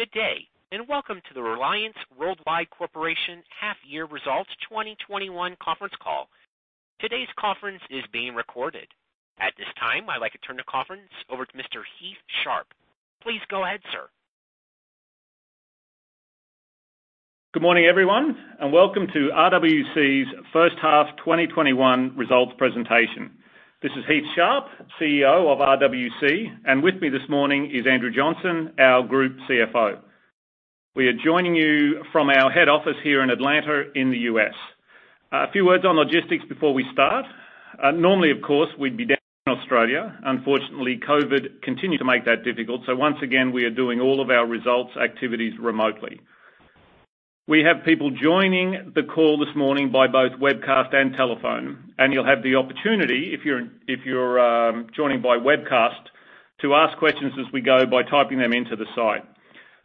Good day, and welcome to the Reliance Worldwide Corporation Half Year Results 2021 conference call. Today's conference is being recorded. At this time, I'd like to turn the conference over to Mr. Heath Sharp. Please go ahead, sir. Good morning, everyone, and welcome to RWC's first half 2021 results presentation. This is Heath Sharp, CEO of RWC, and with me this morning is Andrew Johnson, our Group CFO. We are joining you from our head office here in Atlanta in the U.S. A few words on logistics before we start. Normally, of course, we'd be down in Australia. Unfortunately, COVID continues to make that difficult, so once again, we are doing all of our results activities remotely. We have people joining the call this morning by both webcast and telephone, and you'll have the opportunity, if you're joining by webcast, to ask questions as we go by typing them into the site.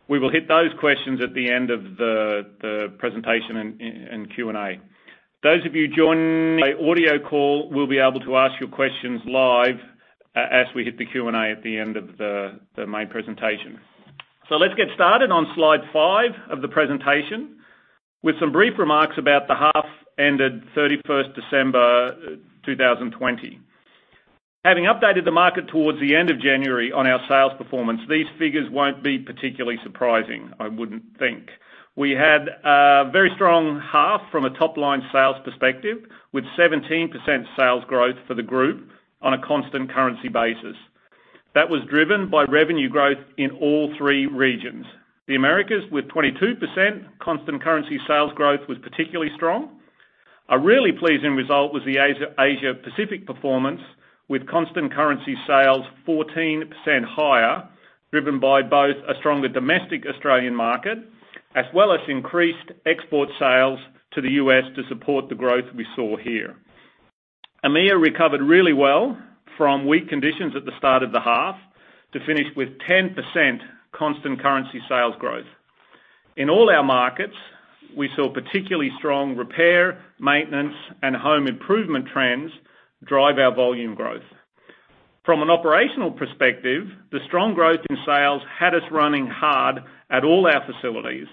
We will hit those questions at the end of the presentation in Q&A. Those of you joining by audio call will be able to ask your questions live as we hit the Q&A at the end of the main presentation. Let's get started on slide five of the presentation with some brief remarks about the half-ended 31st December 2020. Having updated the market towards the end of January on our sales performance, these figures won't be particularly surprising, I wouldn't think. We had a very strong half from a top-line sales perspective, with 17% sales growth for the group on a constant currency basis. That was driven by revenue growth in all three regions. The Americas, with 23% constant currency sales growth, was particularly strong. A really pleasing result was the Asia Pacific performance with constant currency sales 14% higher, driven by both a stronger domestic Australian market as well as increased export sales to the U.S. to support the growth we saw here. EMEA recovered really well from weak conditions at the start of the half to finish with 10% constant currency sales growth. In all our markets, we saw particularly strong repair, maintenance, and home improvement trends drive our volume growth. From an operational perspective, the strong growth in sales had us running hard at all our facilities,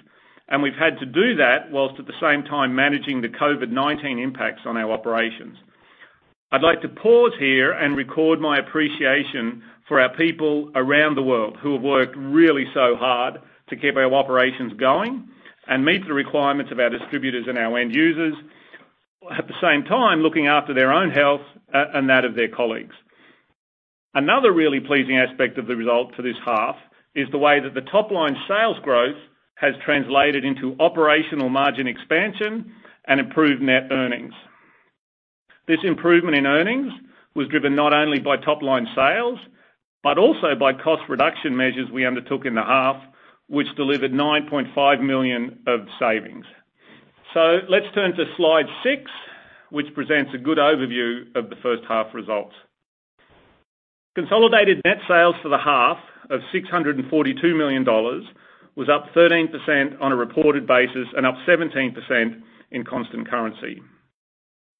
and we've had to do that whilst at the same time managing the COVID-19 impacts on our operations. I'd like to pause here and record my appreciation for our people around the world who have worked really so hard to keep our operations going and meet the requirements of our distributors and our end users. At the same time, looking after their own health and that of their colleagues. Another really pleasing aspect of the result for this half is the way that the top-line sales growth has translated into operational margin expansion and improved net earnings. This improvement in earnings was driven not only by top-line sales, but also by cost reduction measures we undertook in the half, which delivered 9.5 million of savings. Let's turn to slide six, which presents a good overview of the first half results. Consolidated net sales for the half of 642 million dollars was up 13% on a reported basis and up 17% in constant currency.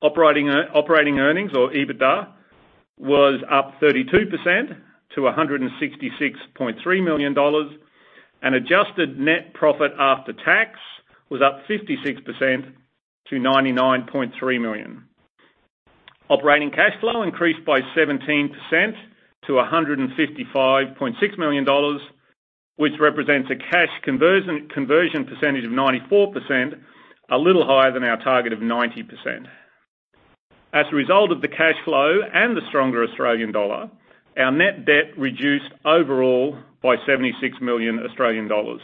Operating earnings or EBITDA was up 32% to 166.3 million dollars, and adjusted net profit after tax was up 56% to 99.3 million. Operating cash flow increased by 17% to 155.6 million dollars, which represents a cash conversion percentage of 94%, a little higher than our target of 90%. As a result of the cash flow and the stronger Australian dollar, our net debt reduced overall by 76 million Australian dollars.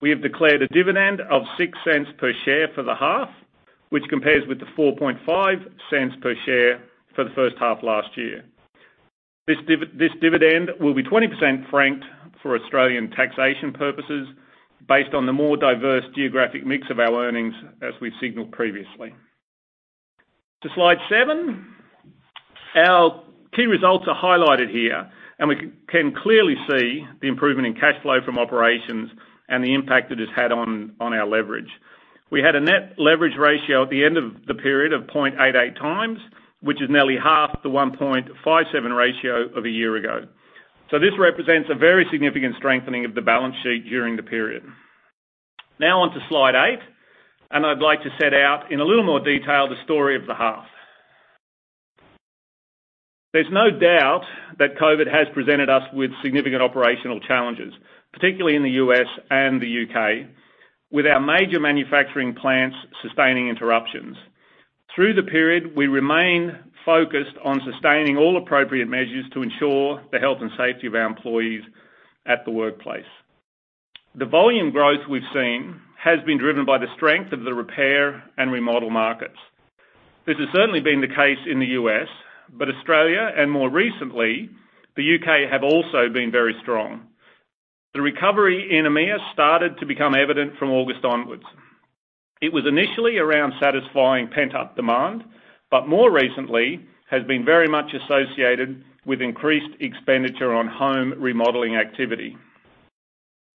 We have declared a dividend of 0.06 per share for the half, which compares with the 0.045 per share for the first half last year. This dividend will be 20% franked for Australian taxation purposes based on the more diverse geographic mix of our earnings, as we've signaled previously. To slide seven. Our key results are highlighted here, and we can clearly see the improvement in cash flow from operations and the impact it has had on our leverage. We had a net leverage ratio at the end of the period of 0.88x, which is nearly half the 1.57 ratio of a year ago. This represents a very significant strengthening of the balance sheet during the period. Now on to slide eight, and I'd like to set out in a little more detail the story of the half. There's no doubt that COVID has presented us with significant operational challenges, particularly in the U.S. and the U.K., with our major manufacturing plants sustaining interruptions. Through the period, we remain focused on sustaining all appropriate measures to ensure the health and safety of our employees at the workplace. The volume growth we've seen has been driven by the strength of the repair and remodel markets. This has certainly been the case in the U.S., but Australia, and more recently, the U.K. have also been very strong. The recovery in EMEA started to become evident from August onwards. It was initially around satisfying pent-up demand, but more recently has been very much associated with increased expenditure on home remodeling activity.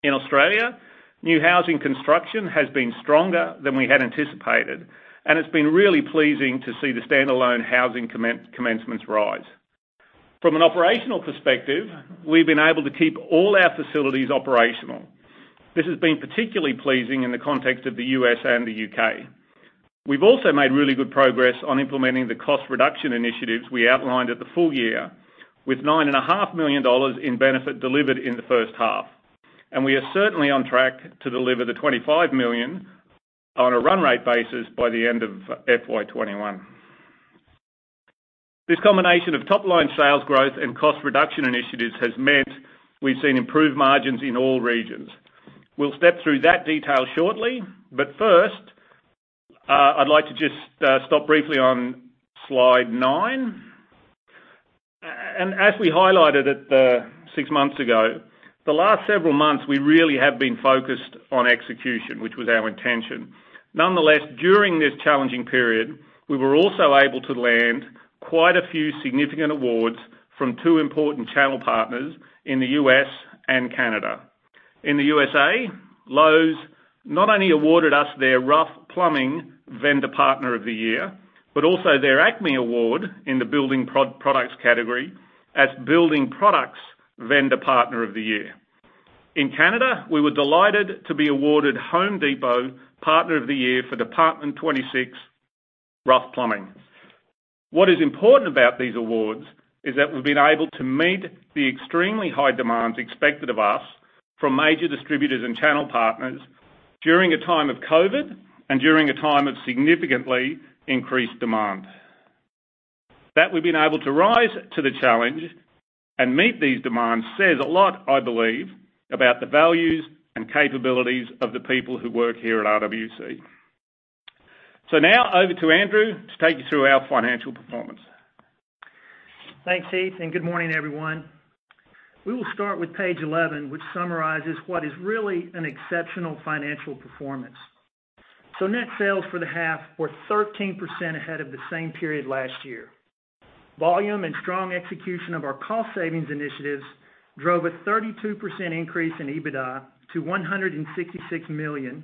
In Australia, new housing construction has been stronger than we had anticipated, and it's been really pleasing to see the standalone housing commencements rise. From an operational perspective, we've been able to keep all our facilities operational. This has been particularly pleasing in the context of the U.S. and the U.K. We've also made really good progress on implementing the cost-reduction initiatives we outlined at the full year, with 9.5 million dollars in benefit delivered in the first half. We are certainly on track to deliver the 25 million on a run rate basis by the end of FY 2021. This combination of top-line sales growth and cost reduction initiatives has meant we've seen improved margins in all regions. We'll step through that detail shortly. First, I'd like to just stop briefly on slide nine. As we highlighted it six months ago, the last several months, we really have been focused on execution, which was our intention. Nonetheless, during this challenging period, we were also able to land quite a few significant awards from two important channel partners in the U.S. and Canada. In the USA, Lowe's not only awarded us their Rough Plumbing Vendor Partner of the Year, but also their Cash Acme award in the building products category as Building Products Vendor Partner of the Year. In Canada, we were delighted to be awarded Home Depot Partner of the Year for Department 26 Rough Plumbing. What is important about these awards is that we've been able to meet the extremely high demands expected of us from major distributors and channel partners during a time of COVID, and during a time of significantly increased demand. That we've been able to rise to the challenge and meet these demands says a lot, I believe, about the values and capabilities of the people who work here at RWC. Now over to Andrew to take you through our financial performance. Thanks, Heath, and good morning, everyone. We will start with page 11, which summarizes what is really an exceptional financial performance. Net sales for the half were 13% ahead of the same period last year. Volume and strong execution of our cost savings initiatives drove a 32% increase in EBITDA to 166 million,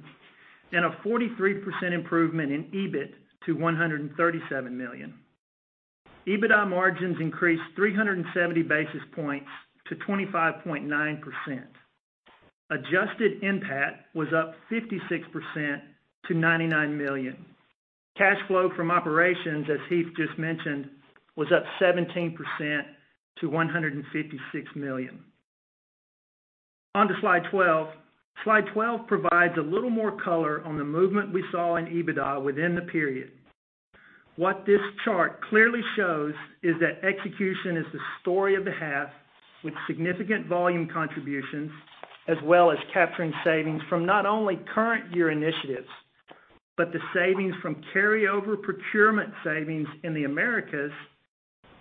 and a 43% improvement in EBIT to 137 million. EBITDA margins increased 370 basis points to 25.9%. Adjusted NPAT was up 56% to 99 million. Cash flow from operations, as Heath just mentioned, was up 17% to 156 million. On to slide 12. Slide 12 provides a little more color on the movement we saw in EBITDA within the period. What this chart clearly shows is that execution is the story of the half, with significant volume contributions, as well as capturing savings from not only current year initiatives, but the savings from carryover procurement savings in the Americas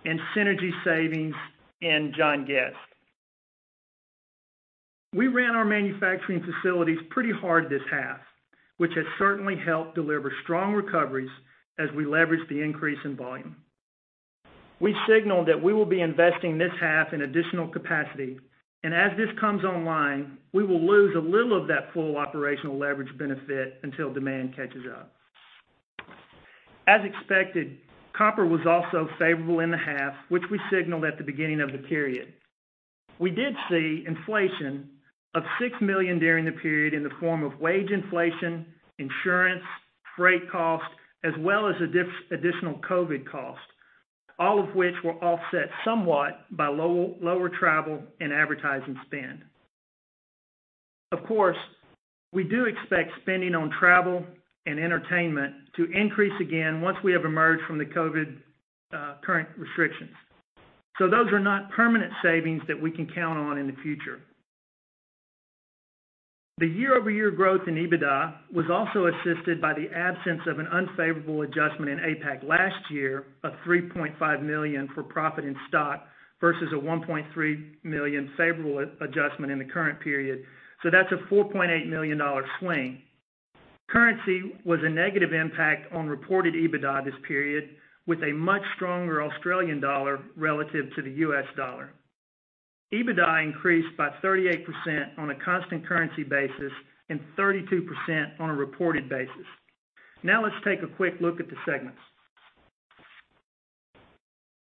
and synergy savings in John Guest. We ran our manufacturing facilities pretty hard this half, which has certainly helped deliver strong recoveries as we leverage the increase in volume. We signaled that we will be investing this half in additional capacity, and as this comes online, we will lose a little of that full operational leverage benefit until demand catches up. As expected, copper was also favorable in the half, which we signaled at the beginning of the period. We did see inflation of 6 million during the period in the form of wage inflation, insurance, freight cost, as well as additional COVID costs, all of which were offset somewhat by lower travel and advertising spend. Of course, we do expect spending on travel and entertainment to increase again once we have emerged from the COVID current restrictions. Those are not permanent savings that we can count on in the future. The year-over-year growth in EBITDA was also assisted by the absence of an unfavorable adjustment in APAC last year of 3.5 million for profit in stock, versus a 1.3 million favorable adjustment in the current period. That's a 4.8 million dollar swing. Currency was a negative impact on reported EBITDA this period, with a much stronger Australian dollar relative to the US dollar. EBITDA increased by 38% on a constant currency basis and 32% on a reported basis. Let's take a quick look at the segments.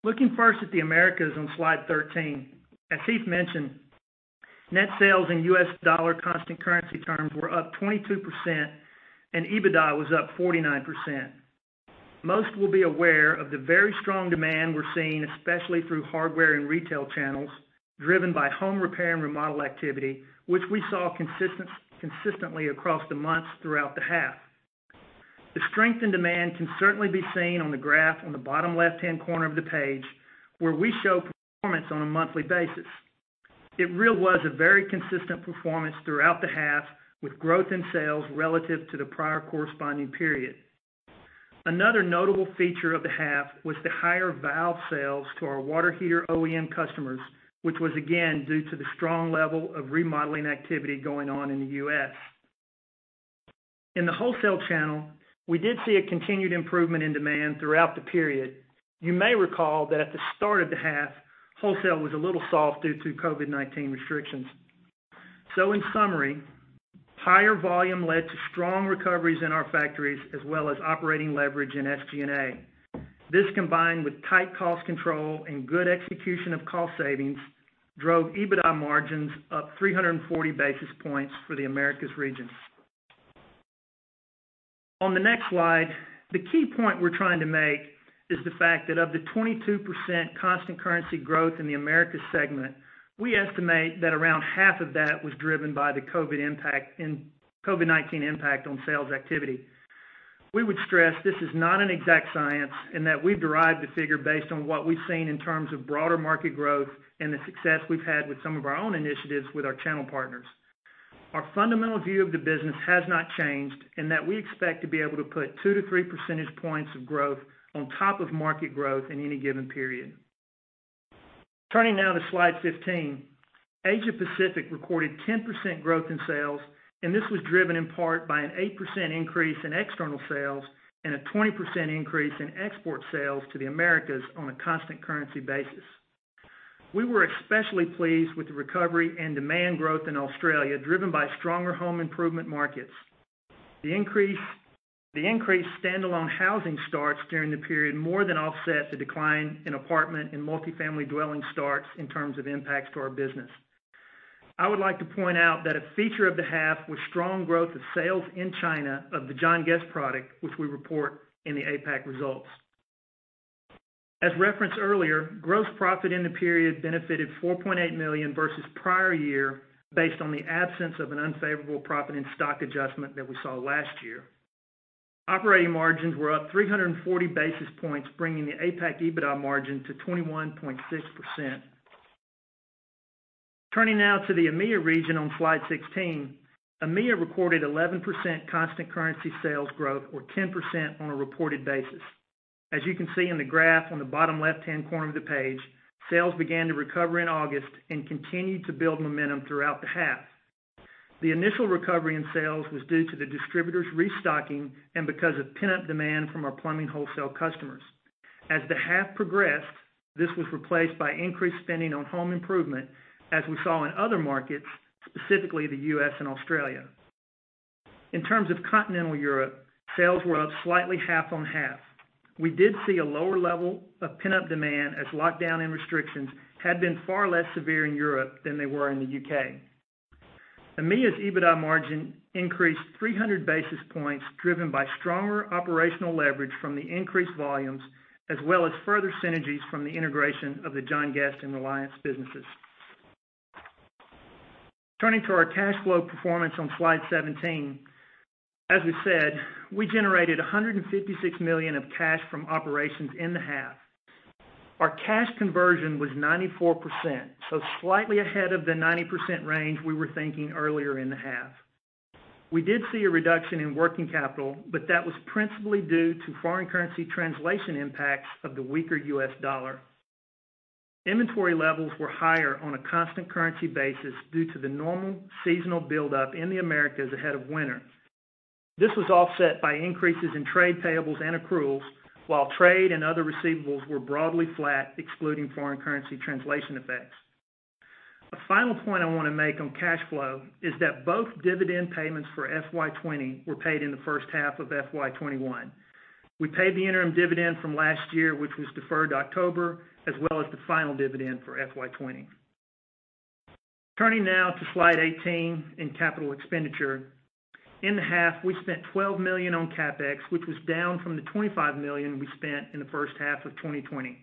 Looking first at the Americas on slide 13. As Heath mentioned, net sales in U.S. dollar constant currency terms were up 22%, and EBITDA was up 49%. Most will be aware of the very strong demand we're seeing, especially through hardware and retail channels, driven by home repair and remodel activity, which we saw consistently across the months throughout the half. The strength in demand can certainly be seen on the graph on the bottom left-hand corner of the page, where we show performance on a monthly basis. It really was a very consistent performance throughout the half, with growth in sales relative to the prior corresponding period. Another notable feature of the half was the higher valve sales to our water heater OEM customers, which was again, due to the strong level of remodeling activity going on in the U.S. In the wholesale channel, we did see a continued improvement in demand throughout the period. You may recall that at the start of the half, wholesale was a little soft due to COVID-19 restrictions. In summary, higher volume led to strong recoveries in our factories as well as operating leverage in SG&A. This combined with tight cost control and good execution of cost savings, drove EBITDA margins up 340 basis points for the Americas region. On the next slide, the key point we're trying to make is the fact that of the 22% constant currency growth in the Americas segment, we estimate that around half of that was driven by the COVID-19 impact on sales activity. We would stress this is not an exact science, and that we've derived the figure based on what we've seen in terms of broader market growth and the success we've had with some of our own initiatives with our channel partners. Our fundamental view of the business has not changed, in that we expect to be able to put two to three percentage points of growth on top of market growth in any given period. Turning now to slide 15. Asia Pacific recorded 10% growth in sales, and this was driven in part by an 8% increase in external sales and a 20% increase in export sales to the Americas on a constant currency basis. We were especially pleased with the recovery and demand growth in Australia, driven by stronger home improvement markets. The increased standalone housing starts during the period more than offset the decline in apartment and multi-family dwelling starts in terms of impacts to our business. I would like to point out that a feature of the half was strong growth of sales in China of the John Guest product, which we report in the APAC results. As referenced earlier, gross profit in the period benefited 4.8 million versus prior year based on the absence of an unfavorable profit in stock adjustment that we saw last year. Operating margins were up 340 basis points, bringing the APAC EBITDA margin to 21.6%. Turning now to the EMEA region on slide 16. EMEA recorded 11% constant currency sales growth, or 10% on a reported basis. As you can see in the graph on the bottom left-hand corner of the page, sales began to recover in August and continued to build momentum throughout the half. The initial recovery in sales was due to the distributors restocking and because of pent-up demand from our plumbing wholesale customers. As the half progressed, this was replaced by increased spending on home improvement as we saw in other markets, specifically the U.S. and Australia. In terms of continental Europe, sales were up slightly half on half. We did see a lower level of pent-up demand as lockdown and restrictions had been far less severe in Europe than they were in the U.K. EMEA's EBITDA margin increased 300 basis points, driven by stronger operational leverage from the increased volumes, as well as further synergies from the integration of the John Guest and Reliance businesses. Turning to our cash flow performance on slide 17. As we said, we generated 156 million of cash from operations in the half. Our cash conversion was 94%, so slightly ahead of the 90% range we were thinking earlier in the half. We did see a reduction in working capital, but that was principally due to foreign currency translation impacts of the weaker USD. Inventory levels were higher on a constant currency basis due to the normal seasonal buildup in the Americas ahead of winter. This was offset by increases in trade payables and accruals, while trade and other receivables were broadly flat, excluding foreign currency translation effects. A final point I want to make on cash flow is that both dividend payments for FY 2020 were paid in the first half of FY 2021. We paid the interim dividend from last year, which was deferred October, as well as the final dividend for FY20. Turning now to slide 18 in capital expenditure. In the half, we spent 12 million on CapEx, which was down from the 25 million we spent in the first half of 2020.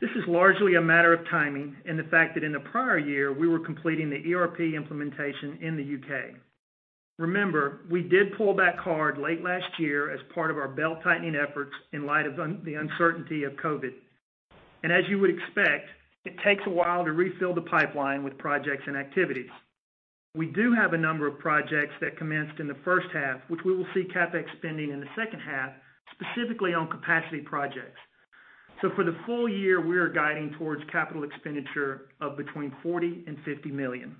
This is largely a matter of timing and the fact that in the prior year, we were completing the ERP implementation in the U.K. Remember, we did pull back hard late last year as part of our belt-tightening efforts in light of the uncertainty of COVID. As you would expect, it takes a while to refill the pipeline with projects and activities. We do have a number of projects that commenced in the first half, which we will see CapEx spending in the second half, specifically on capacity projects. For the full year, we are guiding towards CapEx of between 40 million and 50 million.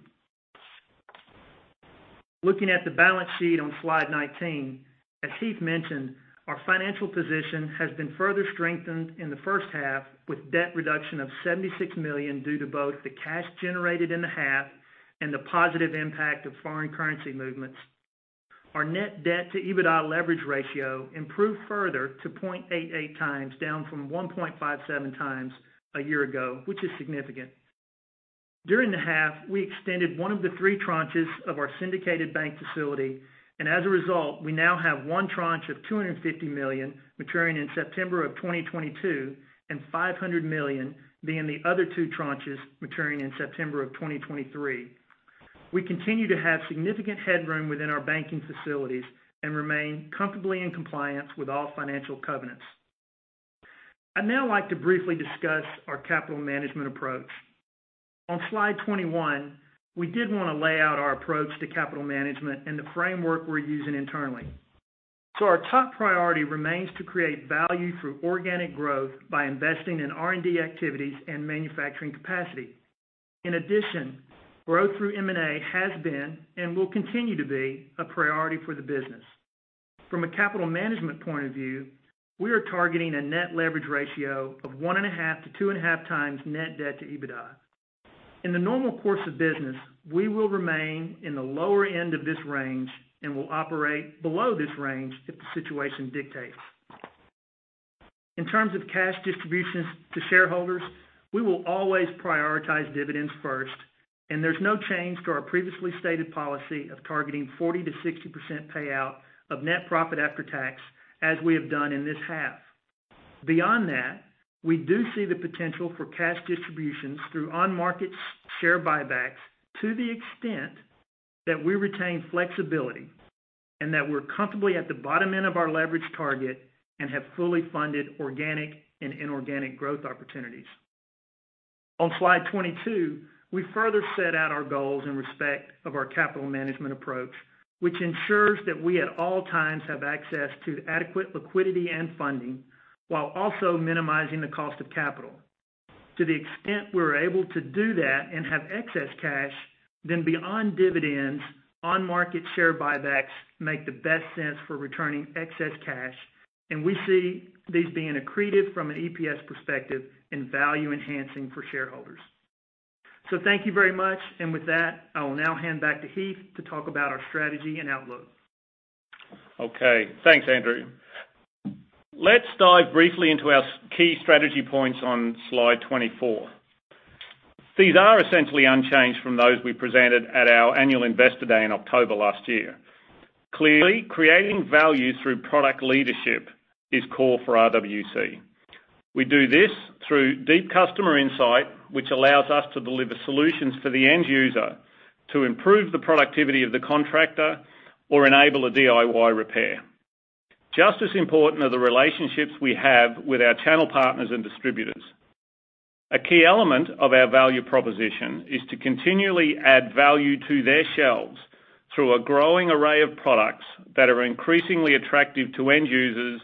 Looking at the balance sheet on slide 19. As Heath mentioned, our financial position has been further strengthened in the first half, with debt reduction of 76 million due to both the cash generated in the half and the positive impact of foreign currency movements. Our net debt to EBITDA leverage ratio improved further to 0.88x, down from 1.57x a year ago, which is significant. During the half, we extended one of the three tranches of our syndicated bank facility, and as a result, we now have one tranche of 250 million maturing in September of 2022 and 500 million being the other two tranches maturing in September of 2023. We continue to have significant headroom within our banking facilities and remain comfortably in compliance with all financial covenants. I'd now like to briefly discuss our capital management approach. On slide 21, we did want to lay out our approach to capital management and the framework we're using internally. Our top priority remains to create value through organic growth by investing in R&D activities and manufacturing capacity. In addition, growth through M&A has been and will continue to be a priority for the business. From a capital management point of view, we are targeting a net leverage ratio of 1.5 to 2.5x net debt to EBITDA. In the normal course of business, we will remain in the lower end of this range and will operate below this range if the situation dictates. In terms of cash distributions to shareholders, we will always prioritize dividends first. There's no change to our previously stated policy of targeting 40%-60% payout of net profit after tax as we have done in this half. Beyond that, we do see the potential for cash distributions through on-market share buybacks to the extent that we retain flexibility and that we're comfortably at the bottom end of our leverage target and have fully funded organic and inorganic growth opportunities. On slide 22, we further set out our goals in respect of our capital management approach, which ensures that we at all times have access to adequate liquidity and funding while also minimizing the cost of capital. To the extent we're able to do that and have excess cash, then beyond dividends, on-market share buybacks make the best sense for returning excess cash, and we see these being accretive from an EPS perspective and value enhancing for shareholders. Thank you very much. With that, I will now hand back to Heath to talk about our strategy and outlook. Okay. Thanks, Andrew. Let's dive briefly into our key strategy points on slide 24. These are essentially unchanged from those we presented at our annual investor day in October last year. Clearly, creating value through product leadership is core for RWC. We do this through deep customer insight, which allows us to deliver solutions for the end user to improve the productivity of the contractor or enable a DIY repair. Just as important are the relationships we have with our channel partners and distributors. A key element of our value proposition is to continually add value to their shelves through a growing array of products that are increasingly attractive to end users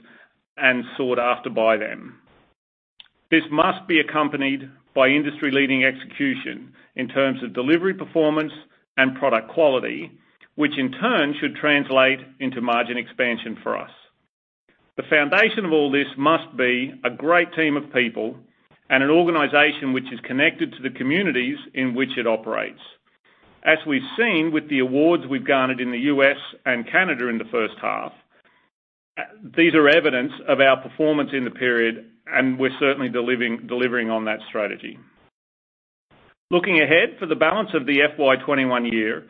and sought after by them. This must be accompanied by industry-leading execution in terms of delivery performance and product quality, which in turn should translate into margin expansion for us. The foundation of all this must be a great team of people and an organization which is connected to the communities in which it operates. As we've seen with the awards we've garnered in the U.S. and Canada in the first half, these are evidence of our performance in the period, and we're certainly delivering on that strategy. Looking ahead, for the balance of the FY 2021 year,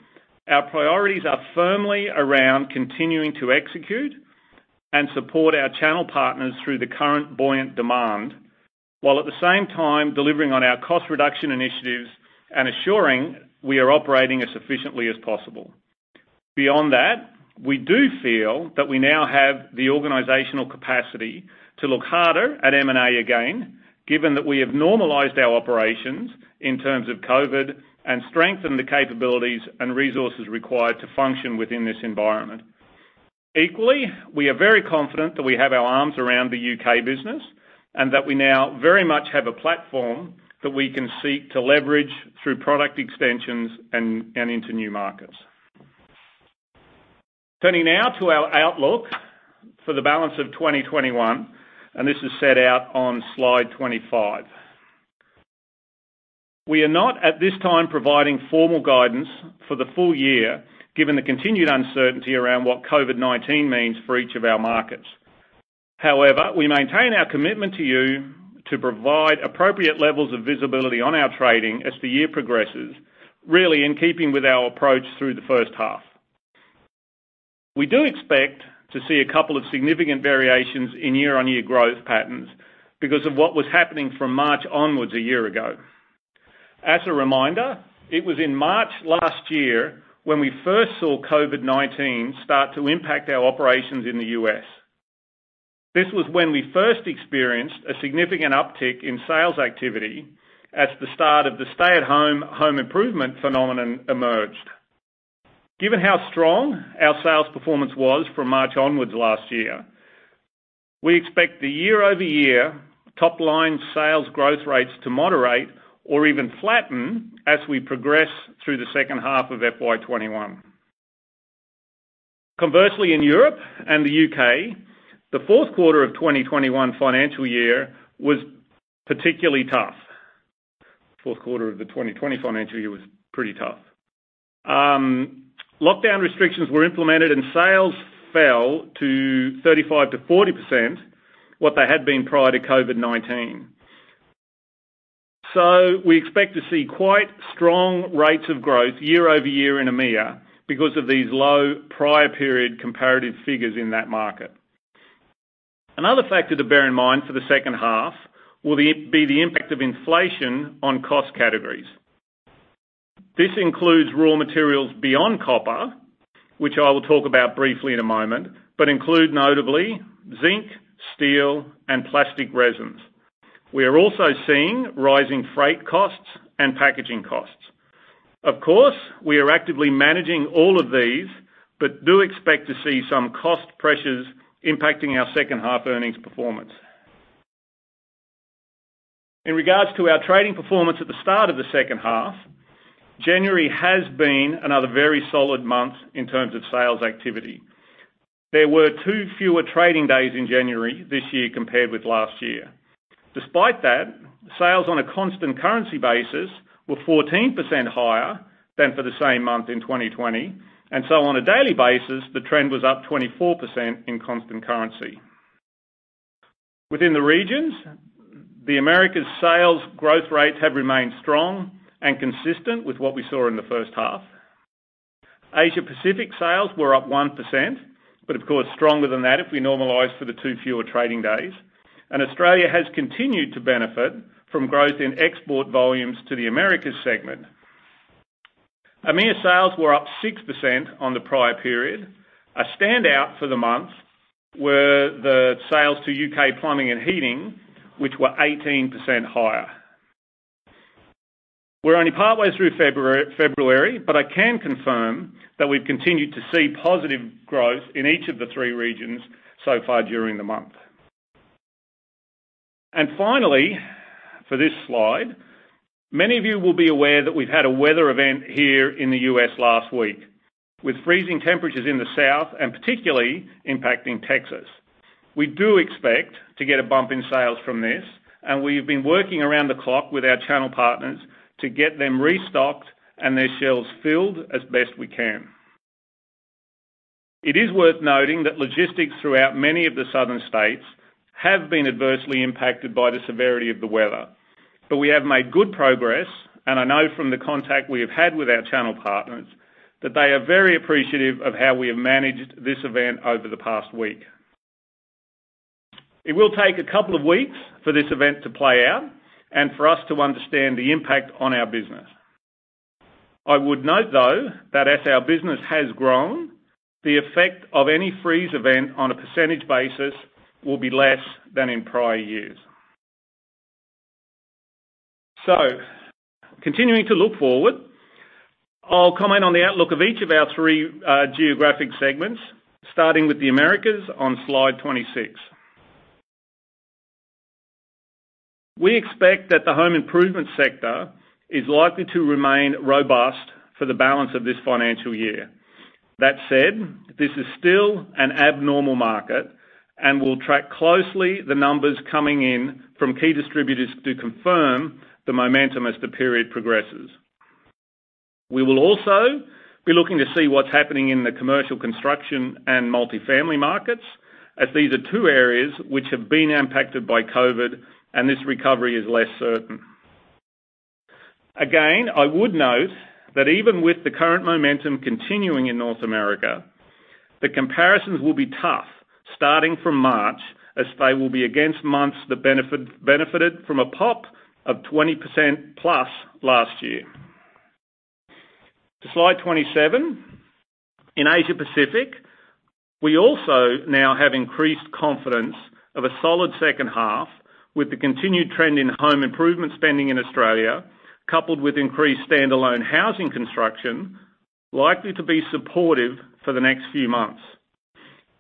our priorities are firmly around continuing to execute and support our channel partners through the current buoyant demand, while at the same time delivering on our cost reduction initiatives and assuring we are operating as sufficiently as possible. Beyond that, we do feel that we now have the organizational capacity to look harder at M&A again, given that we have normalized our operations in terms of COVID and strengthened the capabilities and resources required to function within this environment. Equally, we are very confident that we have our arms around the U.K. business, and that we now very much have a platform that we can seek to leverage through product extensions and into new markets. Turning now to our outlook for the balance of 2021, this is set out on slide 25. We are not at this time providing formal guidance for the full year, given the continued uncertainty around what COVID-19 means for each of our markets. However, we maintain our commitment to you to provide appropriate levels of visibility on our trading as the year progresses, really in keeping with our approach through the first half. We do expect to see a couple of significant variations in year-on-year growth patterns because of what was happening from March onwards a year ago. As a reminder, it was in March last year when we first saw COVID-19 start to impact our operations in the U.S. This was when we first experienced a significant uptick in sales activity as the start of the stay-at-home home improvement phenomenon emerged. Given how strong our sales performance was from March onwards last year, we expect the year-over-year top-line sales growth rates to moderate or even flatten as we progress through the second half of FY 2021. Conversely, in Europe and the U.K., the fourth quarter of 2021 financial year was particularly tough. Fourth quarter of the 2020 financial year was pretty tough. Lockdown restrictions were implemented, and sales fell to 35%-40% what they had been prior to COVID-19. We expect to see quite strong rates of growth year-over-year in EMEA because of these low prior period comparative figures in that market. Another factor to bear in mind for the second half will be the impact of inflation on cost categories. This includes raw materials beyond copper, which I will talk about briefly in a moment, but include notably zinc, steel, and plastic resins. We are also seeing rising freight costs and packaging costs. Of course, we are actively managing all of these, but do expect to see some cost pressures impacting our second half earnings performance. In regards to our trading performance at the start of the second half, January has been another very solid month in terms of sales activity. There were two fewer trading days in January this year compared with last year. Despite that, sales on a constant currency basis were 14% higher than for the same month in 2020, on a daily basis, the trend was up 24% in constant currency. Within the regions, the Americas sales growth rates have remained strong and consistent with what we saw in the first half. Asia-Pacific sales were up 1%, but of course, stronger than that if we normalize for the two fewer trading days. Australia has continued to benefit from growth in export volumes to the Americas segment. EMEA sales were up 6% on the prior period. A standout for the month were the sales to U.K. Plumbing and Heating, which were 18% higher. We're only partway through February, but I can confirm that we've continued to see positive growth in each of the three regions so far during the month. Finally, for this slide, many of you will be aware that we've had a weather event here in the U.S. last week, with freezing temperatures in the south and particularly impacting Texas. We do expect to get a bump in sales from this, and we've been working around the clock with our channel partners to get them restocked and their shelves filled as best we can. It is worth noting that logistics throughout many of the southern states have been adversely impacted by the severity of the weather, but we have made good progress, and I know from the contact we have had with our channel partners that they are very appreciative of how we have managed this event over the past week. It will take a couple of weeks for this event to play out and for us to understand the impact on our business. I would note, though, that as our business has grown, the effect of any freeze event on a percentage basis will be less than in prior years. Continuing to look forward, I'll comment on the outlook of each of our three geographic segments, starting with the Americas on slide 26. We expect that the home improvement sector is likely to remain robust for the balance of this financial year. That said, this is still an abnormal market, and we'll track closely the numbers coming in from key distributors to confirm the momentum as the period progresses. We will also be looking to see what's happening in the commercial construction and multifamily markets, as these are two areas which have been impacted by COVID, and this recovery is less certain. Again, I would note that even with the current momentum continuing in North America, the comparisons will be tough starting from March as they will be against months that benefited from a pop of 20% plus last year. To slide 27. In Asia-Pacific, we also now have increased confidence of a solid second half with the continued trend in home improvement spending in Australia, coupled with increased standalone housing construction, likely to be supportive for the next few months.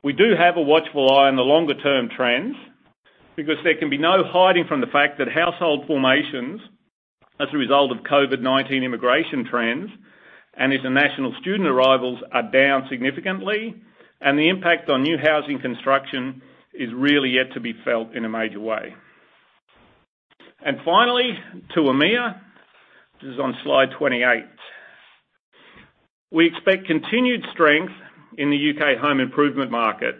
We do have a watchful eye on the longer term trends because there can be no hiding from the fact that household formations as a result of COVID-19 immigration trends and international student arrivals are down significantly, and the impact on new housing construction is really yet to be felt in a major way. Finally, to EMEA, which is on slide 28. We expect continued strength in the U.K. home improvement market.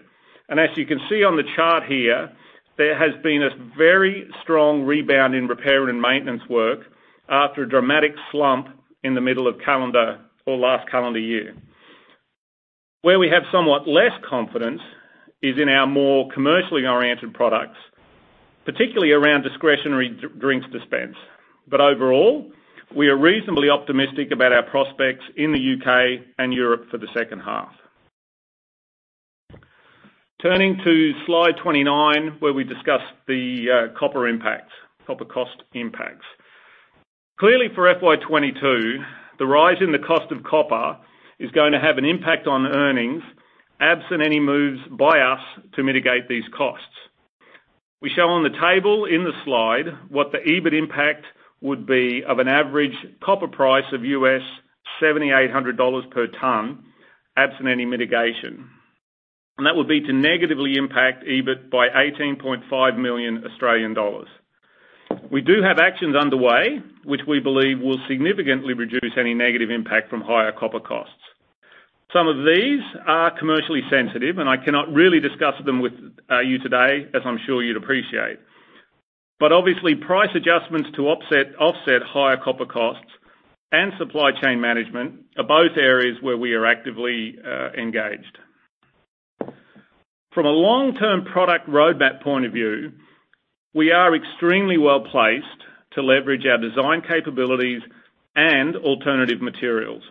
As you can see on the chart here, there has been a very strong rebound in repair and maintenance work after a dramatic slump in the middle of last calendar year. Where we have somewhat less confidence is in our more commercially oriented products, particularly around discretionary drinks dispense. Overall, we are reasonably optimistic about our prospects in the U.K. and Europe for the second half. Turning to slide 29, where we discuss the copper cost impacts. Clearly for FY 2022, the rise in the cost of copper is going to have an impact on earnings absent any moves by us to mitigate these costs. We show on the table in the slide what the EBIT impact would be of an average copper price of $7,800 per ton absent any mitigation. That would be to negatively impact EBIT by 18.5 million Australian dollars. We do have actions underway, which we believe will significantly reduce any negative impact from higher copper costs. Some of these are commercially sensitive, and I cannot really discuss them with you today, as I'm sure you'd appreciate. Obviously, price adjustments to offset higher copper costs and supply chain management are both areas where we are actively engaged. From a long-term product roadmap point of view, we are extremely well-placed to leverage our design capabilities and alternative materials.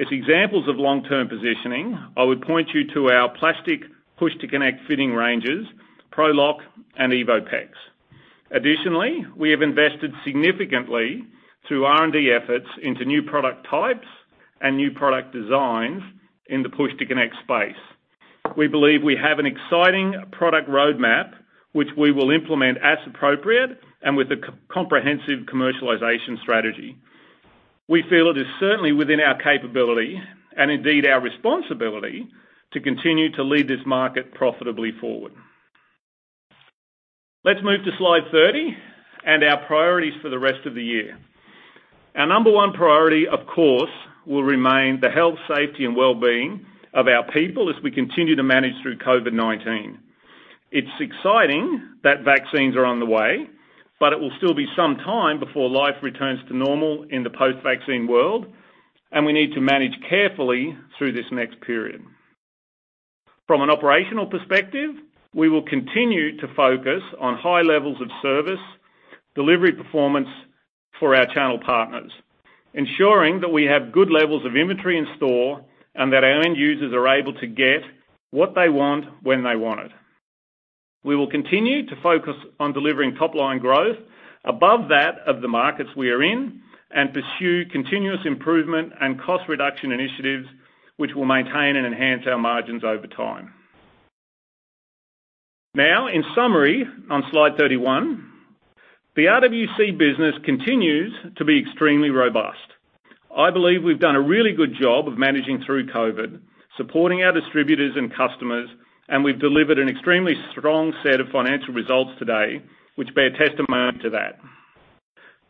As examples of long-term positioning, I would point you to our plastic push-to-connect fitting ranges, ProLock and EvoPEX. Additionally, we have invested significantly through R&D efforts into new product types and new product designs in the push-to-connect space. We believe we have an exciting product roadmap, which we will implement as appropriate and with a comprehensive commercialization strategy. We feel it is certainly within our capability, and indeed our responsibility, to continue to lead this market profitably forward. Let's move to slide 30 and our priorities for the rest of the year. Our number one priority, of course, will remain the health, safety, and wellbeing of our people as we continue to manage through COVID-19. It's exciting that vaccines are on the way, but it will still be some time before life returns to normal in the post-vaccine world, and we need to manage carefully through this next period. From an operational perspective, we will continue to focus on high levels of service delivery performance for our channel partners, ensuring that we have good levels of inventory in store and that our end users are able to get what they want when they want it. We will continue to focus on delivering top-line growth above that of the markets we are in, and pursue continuous improvement and cost reduction initiatives, which will maintain and enhance our margins over time. In summary, on slide 31, the RWC business continues to be extremely robust. I believe we've done a really good job of managing through COVID, supporting our distributors and customers, we've delivered an extremely strong set of financial results today, which bear testament to that.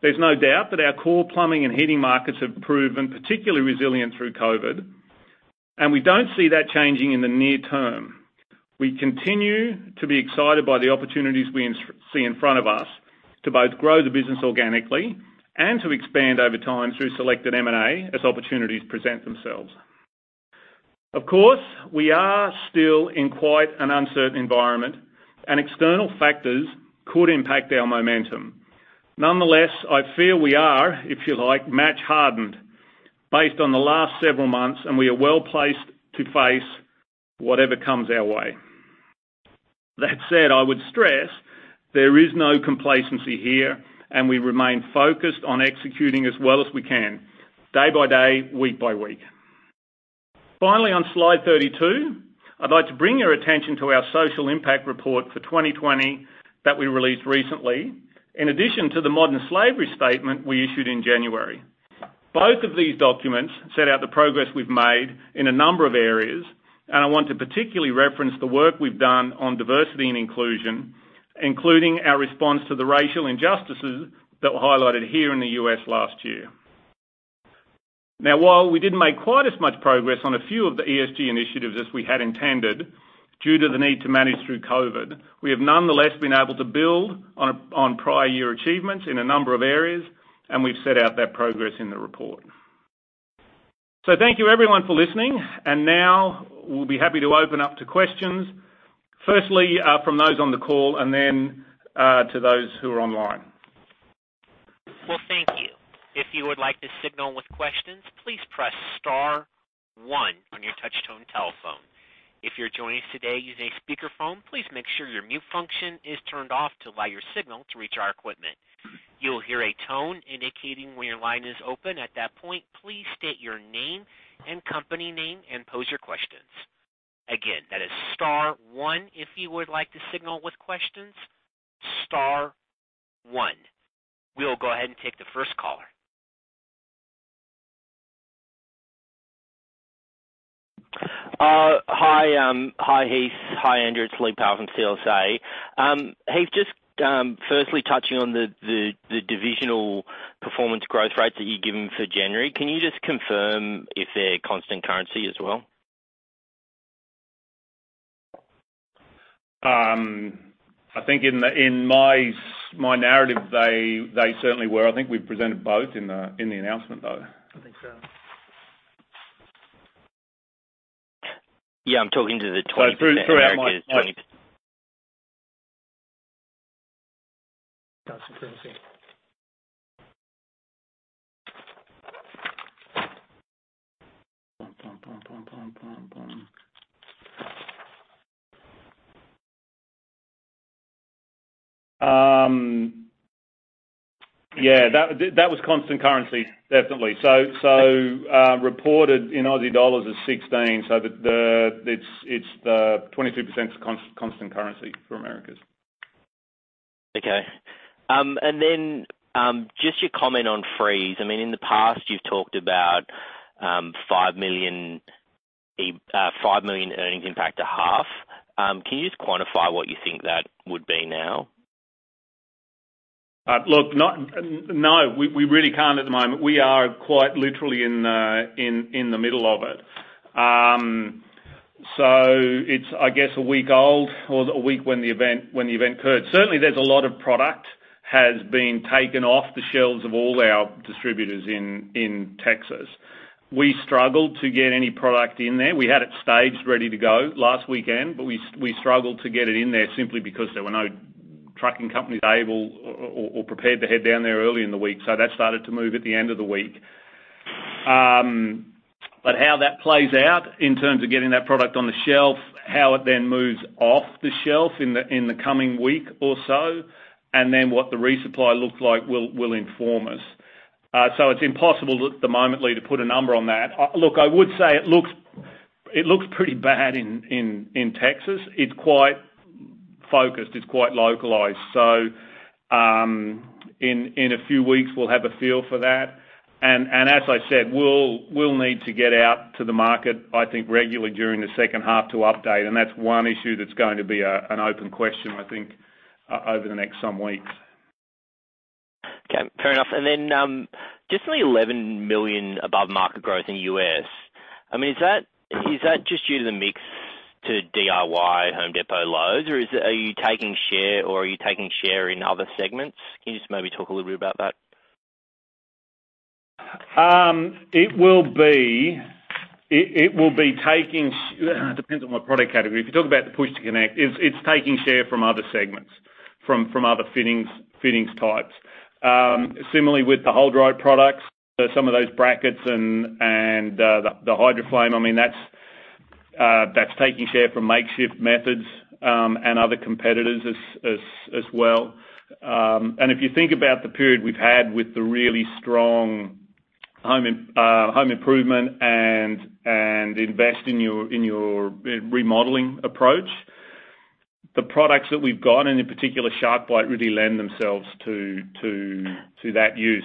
There's no doubt that our core plumbing and heating markets have proven particularly resilient through COVID, we don't see that changing in the near term. We continue to be excited by the opportunities we see in front of us to both grow the business organically and to expand over time through selected M&A as opportunities present themselves. Of course, we are still in quite an uncertain environment, external factors could impact our momentum. Nonetheless, I feel we are, if you like, match hardened based on the last several months, we are well-placed to face whatever comes our way. That said, I would stress there is no complacency here, and we remain focused on executing as well as we can day by day, week by week. Finally, on Slide 32, I'd like to bring your attention to our social impact report for 2020 that we released recently, in addition to the modern slavery statement we issued in January. Both of these documents set out the progress we've made in a number of areas, and I want to particularly reference the work we've done on diversity and inclusion, including our response to the racial injustices that were highlighted here in the U.S. last year. While we didn't make quite as much progress on a few of the ESG initiatives as we had intended due to the need to manage through COVID, we have nonetheless been able to build on prior year achievements in a number of areas, and we've set out that progress in the report. Thank you everyone for listening, and now we'll be happy to open up to questions, firstly from those on the call and then to those who are online. Well, thank you. If you would like to signal with questions, please press star one on your touchtone telephone. If you are joining us today using a speakerphone, please make sure your mute function is turned off to allow your signal to reach our equipment. You will hear a tone indicating when your line is open. At that point, please state your name and company name and pose your questions. Again, that is star one if you would like to signal with questions, star one. We will go ahead and take the first caller. Hi Heath, hi Andrew. It's Lee Power from CLSA. Heath, just firstly touching on the divisional performance growth rates that you're giving for January. Can you just confirm if they're constant currency as well? I think in my narrative, they certainly were. I think we presented both in the announcement, though. I think so. Yeah, I'm talking to the 20% Americas- through our- Constant currency. Yeah, that was constant currency, definitely. reported in AUD as 16%, so it's the 23% constant currency for Americas. Okay. Just your comment on freeze. In the past you've talked about 5 million earnings impact to half. Can you just quantify what you think that would be now? Look, no. We really can't at the moment. We are quite literally in the middle of it. It's, I guess, a week old or a week when the event occurred. Certainly there's a lot of product has been taken off the shelves of all our distributors in Texas. We struggled to get any product in there. We had it staged ready to go last weekend, but we struggled to get it in there simply because there were no trucking companies able or prepared to head down there early in the week. That started to move at the end of the week. How that plays out in terms of getting that product on the shelf, how it then moves off the shelf in the coming week or so, and what the resupply looks like will inform us. It's impossible at the moment, Lee, to put a number on that. Look, I would say it looks pretty bad in Texas. It's quite focused. It's quite localized. In a few weeks, we'll have a feel for that. As I said, we'll need to get out to the market, I think, regularly during the second half to update. That's one issue that's going to be an open question, I think, over the next some weeks. Okay. Fair enough. Just on the $11 million above-market growth in U.S., is that just due to the mix to DIY, Home Depot, Lowe's, or are you taking share in other segments? Can you just maybe talk a little bit about that? It depends on what product category. If you talk about the push-to-connect, it's taking share from other segments, from other fittings types. Similarly with the HoldRite products, some of those brackets and the HydroFlame, that's taking share from makeshift methods, and other competitors as well. If you think about the period we've had with the really strong home improvement and invest in your remodeling approach, the products that we've got, and in particular SharkBite, really lend themselves to that use.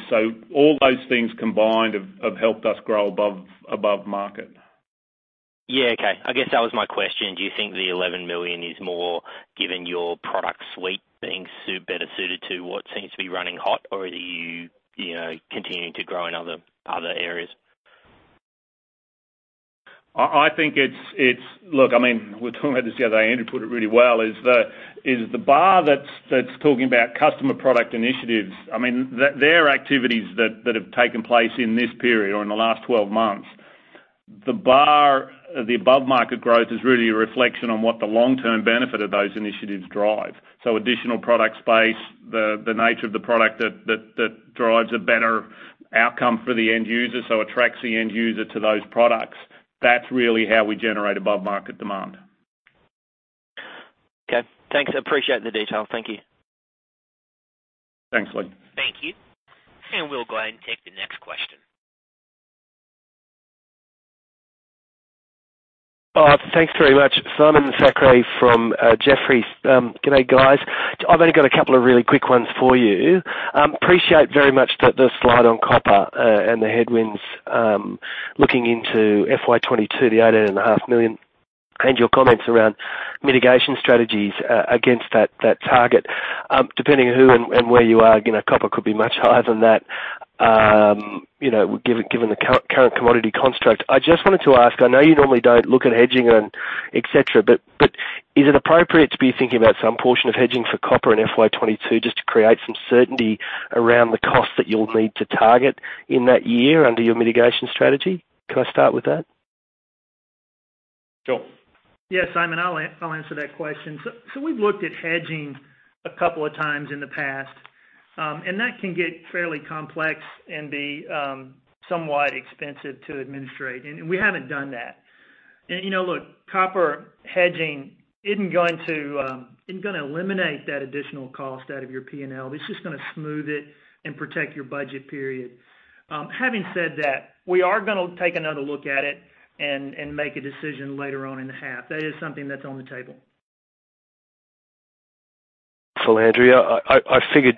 All those things combined have helped us grow above market. Yeah. Okay. I guess that was my question. Do you think the 11 million is more given your product suite being better suited to what seems to be running hot, or are you continuing to grow in other areas? Look, we were talking about this the other day, Andrew put it really well, is the bar that's talking about customer product initiatives. Their activities that have taken place in this period or in the last 12 months. The bar, the above-market growth is really a reflection on what the long-term benefit of those initiatives drive. Additional product space, the nature of the product that drives a better outcome for the end user, so attracts the end user to those products. That's really how we generate above-market demand. Okay. Thanks. I appreciate the detail. Thank you. Thanks, Lee. Thank you. We'll go ahead and take the next question. Thanks very much. Simon Thackray from Jefferies. Good day, guys. I've only got a couple of really quick ones for you. Appreciate very much the slide on copper and the headwinds, looking into FY 2022, the 18.5 million, and your comments around mitigation strategies against that target. Depending on who and where you are, copper could be much higher than that given the current commodity construct. I just wanted to ask, I know you normally don't look at hedging and et cetera, but is it appropriate to be thinking about some portion of hedging for copper in FY 2022 just to create some certainty around the cost that you'll need to target in that year under your mitigation strategy? Can I start with that? Sure. Yeah, Simon, I'll answer that question. We've looked at hedging a couple of times in the past, that can get fairly complex and be somewhat expensive to administer. We haven't done that. Look, copper hedging isn't gonna eliminate that additional cost out of your P&L. It's just gonna smooth it and protect your budget period. Having said that, we are gonna take another look at it and make a decision later on in the half. That is something that's on the table. Andrew, I figured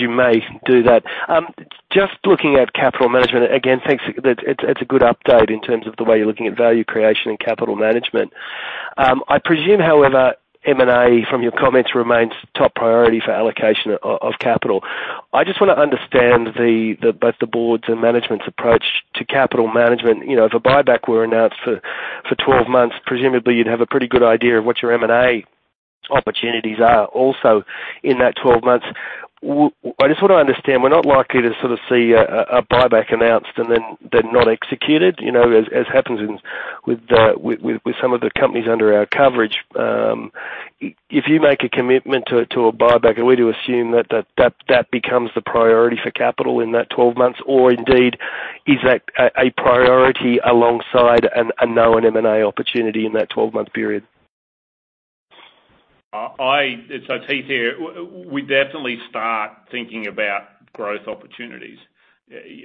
you may do that. Looking at capital management, again, thanks. It is a good update in terms of the way you are looking at value creation and capital management. I presume, however, M&A, from your comments, remains top priority for allocation of capital. I just want to understand both the board's and management's approach to capital management. If a buyback were announced for 12 months, presumably you would have a pretty good idea of what your M&A opportunities are also in that 12 months. I just want to understand, we are not likely to sort of see a buyback announced and then not executed, as happens with some of the companies under our coverage. If you make a commitment to a buyback, are we to assume that becomes the priority for capital in that 12 months? Indeed, is that a priority alongside a known M&A opportunity in that 12-month period? It's Heath here. We definitely start thinking about growth opportunities.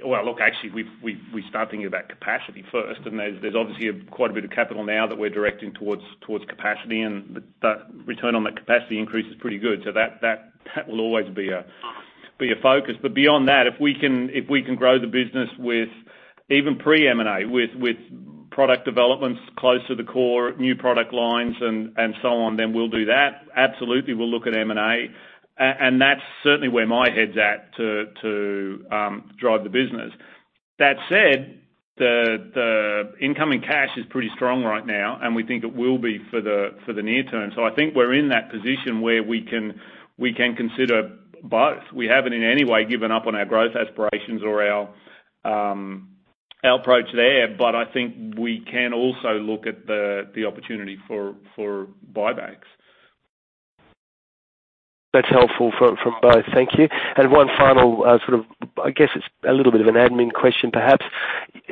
Well, look, actually, we start thinking about capacity first, and there's obviously quite a bit of capital now that we're directing towards capacity, and the return on that capacity increase is pretty good. That will always be a focus. Beyond that, if we can grow the business with even pre-M&A, with product developments close to the core, new product lines and so on, then we'll do that. Absolutely, we'll look at M&A. That's certainly where my head's at to drive the business. That said, the incoming cash is pretty strong right now, and we think it will be for the near term. I think we're in that position where we can consider both. We haven't in any way given up on our growth aspirations or our approach there. I think we can also look at the opportunity for buybacks. That's helpful from both. Thank you. One final sort of, I guess it's a little bit of an admin question, perhaps.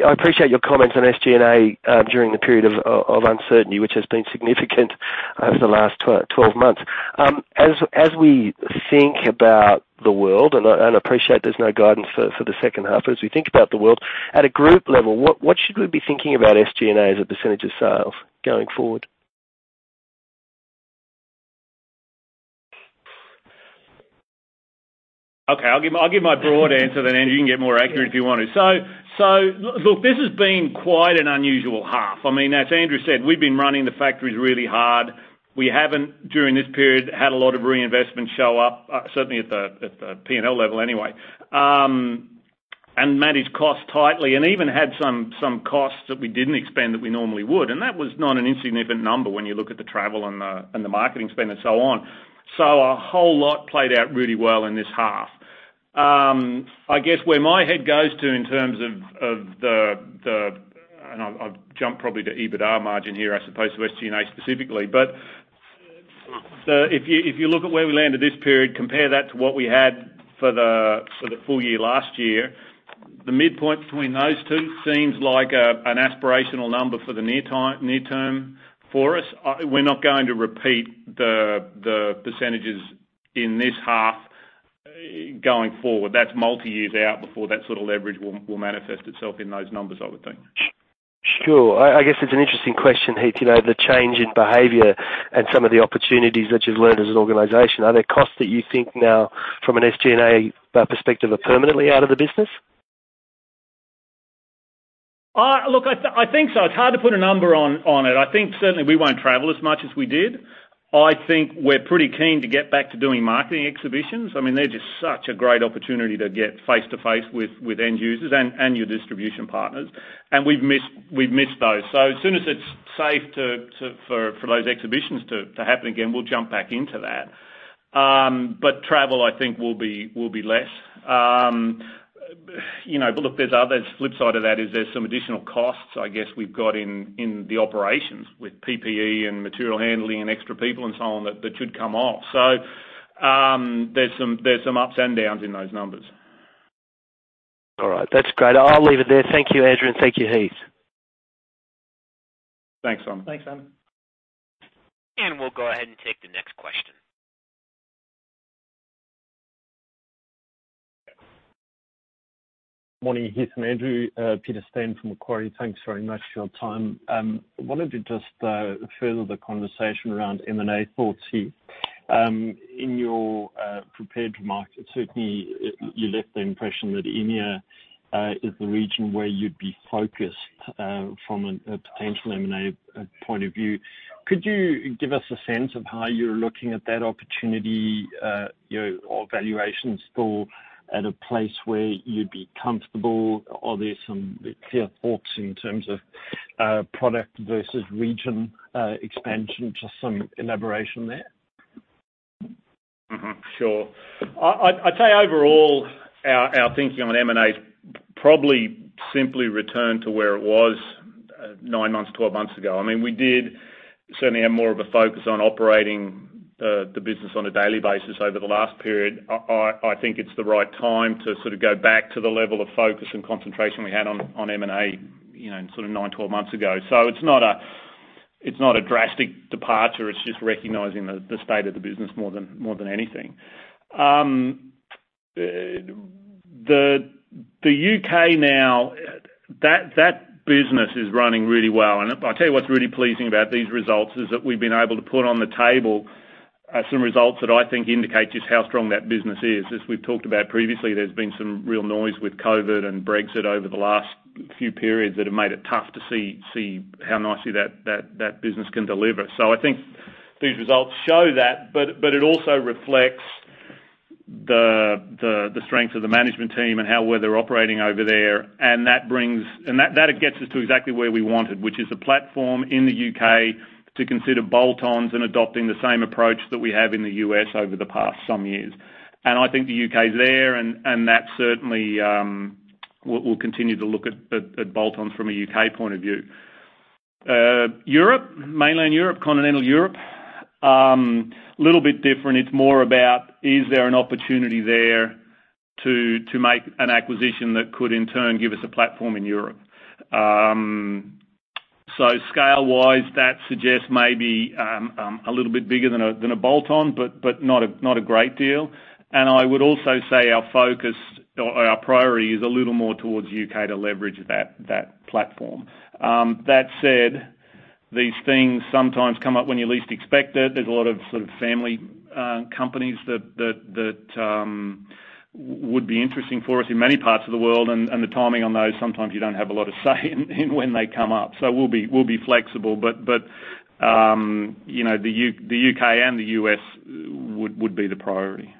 I appreciate your comments on SG&A during the period of uncertainty, which has been significant over the last 12 months. As we think about the world, and I appreciate there's no guidance for the second half, as we think about the world, at a group level, what should we be thinking about SG&A as a % of sales going forward? Okay. I'll give my broad answer, then Andrew, you can get more accurate if you want to. Yeah. Look, this has been quite an unusual half. As Andrew said, we've been running the factories really hard. We haven't, during this period, had a lot of reinvestment show up, certainly at the P&L level anyway, and managed costs tightly, and even had some costs that we didn't expend that we normally would. That was not an insignificant number when you look at the travel and the marketing spend and so on. A whole lot played out really well in this half. I guess where my head goes to in terms of the and I'll jump probably to EBITDA margin here as opposed to SG&A specifically. If you look at where we landed this period, compare that to what we had for the full year last year, the midpoint between those two seems like an aspirational number for the near term for us. We're not going to repeat the percentages in this half going forward. That's multi-years out before that sort of leverage will manifest itself in those numbers, I would think. Sure. I guess it's an interesting question, Heath, the change in behavior and some of the opportunities that you've learned as an organization. Are there costs that you think now from an SG&A perspective are permanently out of the business? Look, I think so. It's hard to put a number on it. I think certainly we won't travel as much as we did. I think we're pretty keen to get back to doing marketing exhibitions. They're just such a great opportunity to get face-to-face with end users and your distribution partners, and we've missed those. As soon as it's safe for those exhibitions to happen again, we'll jump back into that. Travel, I think will be less. Look, there's flip side of that is there's some additional costs, I guess we've got in the operations with PPE and material handling and extra people and so on that should come off. There's some ups and downs in those numbers. All right. That's great. I'll leave it there. Thank you, Andrew, and thank you, Heath. Thanks, Simon. Thanks, Simon. We'll go ahead and take the next question. Morning, Heath and Andrew. Peter Steyn from Macquarie. Thanks very much for your time. I wanted to just further the conversation around M&A thoughts here. In your prepared remarks, certainly you left the impression that EMEA is the region where you'd be focused from a potential M&A point of view. Could you give us a sense of how you're looking at that opportunity? Are valuations still at a place where you'd be comfortable? Are there some clear thoughts in terms of product versus region expansion? Just some elaboration there. Sure. I'd say overall, our thinking on M&A probably simply returned to where it was nine months, 12 months ago. We did certainly have more of a focus on operating the business on a daily basis over the last period. I think it's the right time to go back to the level of focus and concentration we had on M&A nine, 12 months ago. It's not a drastic departure, it's just recognizing the state of the business more than anything. The U.K. now, that business is running really well. I'll tell you what's really pleasing about these results, is that we've been able to put on the table some results that I think indicate just how strong that business is. As we've talked about previously, there's been some real noise with COVID and Brexit over the last few periods that have made it tough to see how nicely that business can deliver. I think these results show that, but it also reflects the strength of the management team and how well they're operating over there. That gets us to exactly where we wanted, which is a platform in the U.K. to consider bolt-ons and adopting the same approach that we have in the U.S. over the past some years. I think the U.K.'s there, and that certainly we'll continue to look at bolt-ons from a U.K. point of view. Europe, mainland Europe, continental Europe, little bit different. It's more about is there an opportunity there to make an acquisition that could in turn give us a platform in Europe? Scale wise, that suggests maybe a little bit bigger than a bolt-on, but not a great deal. I would also say our focus or our priority is a little more towards U.K. to leverage that platform. That said, these things sometimes come up when you least expect it. There's a lot of family companies that would be interesting for us in many parts of the world, and the timing on those, sometimes you don't have a lot of say in when they come up. We'll be flexible, but the U.K. and the U.S. would be the priority.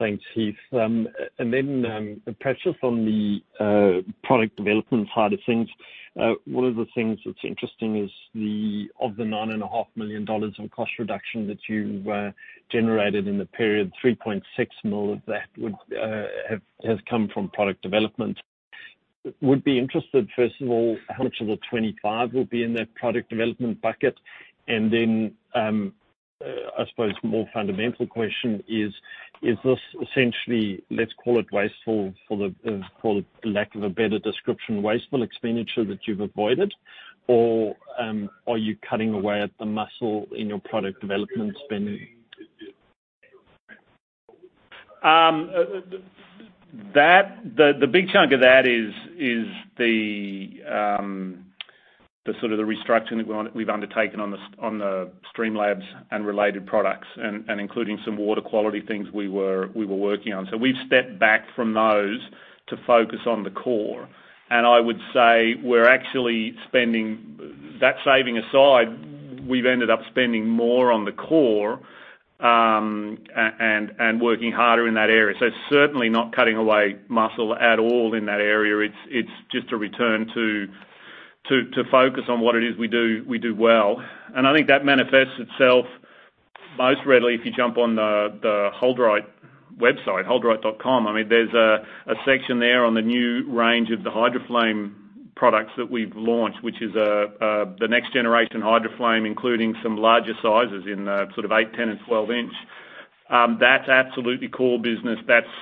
Thanks, Heath. Perhaps just on the product development side of things. One of the things that is interesting is of the 9.5 million dollars of cost reduction that you generated in the period, 3.6 million of that has come from product development. Would be interested, first of all, how much of the 25 will be in that product development bucket? I suppose more fundamental question is this essentially, let's call it, for lack of a better description, wasteful expenditure that you've avoided? Or are you cutting away at the muscle in your product development spending? The big chunk of that is the restructuring that we've undertaken on the StreamLabs and related products, and including some water quality things we were working on. We've stepped back from those to focus on the core. I would say we're actually spending, that saving aside, we've ended up spending more on the core, and working harder in that area. It's certainly not cutting away muscle at all in that area. It's just a return to focus on what it is we do well. I think that manifests itself most readily if you jump on the HoldRite website, holdrite.com. There's a section there on the new range of the HydroFlame products that we've launched, which is the next generation HydroFlame, including some larger sizes in sort of eight, 10 and 12 inch. That's absolutely core business. That's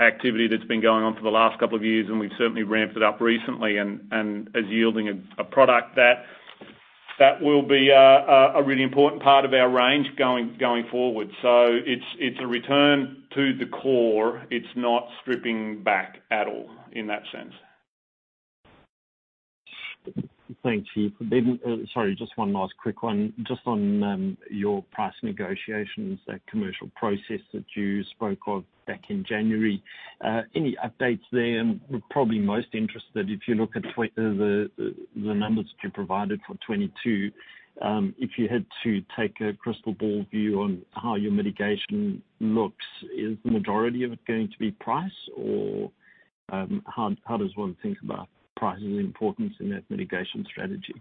activity that's been going on for the last couple of years, and we've certainly ramped it up recently and is yielding a product that will be a really important part of our range going forward. It's a return to the core. It's not stripping back at all in that sense. Thank you. Sorry, just one last quick one. Just on your price negotiations, that commercial process that you spoke of back in January. Any updates there? We're probably most interested, if you look at the numbers that you provided for 2022, if you had to take a crystal ball view on how your mitigation looks, is the majority of it going to be price, or how does one think about price as an importance in that mitigation strategy?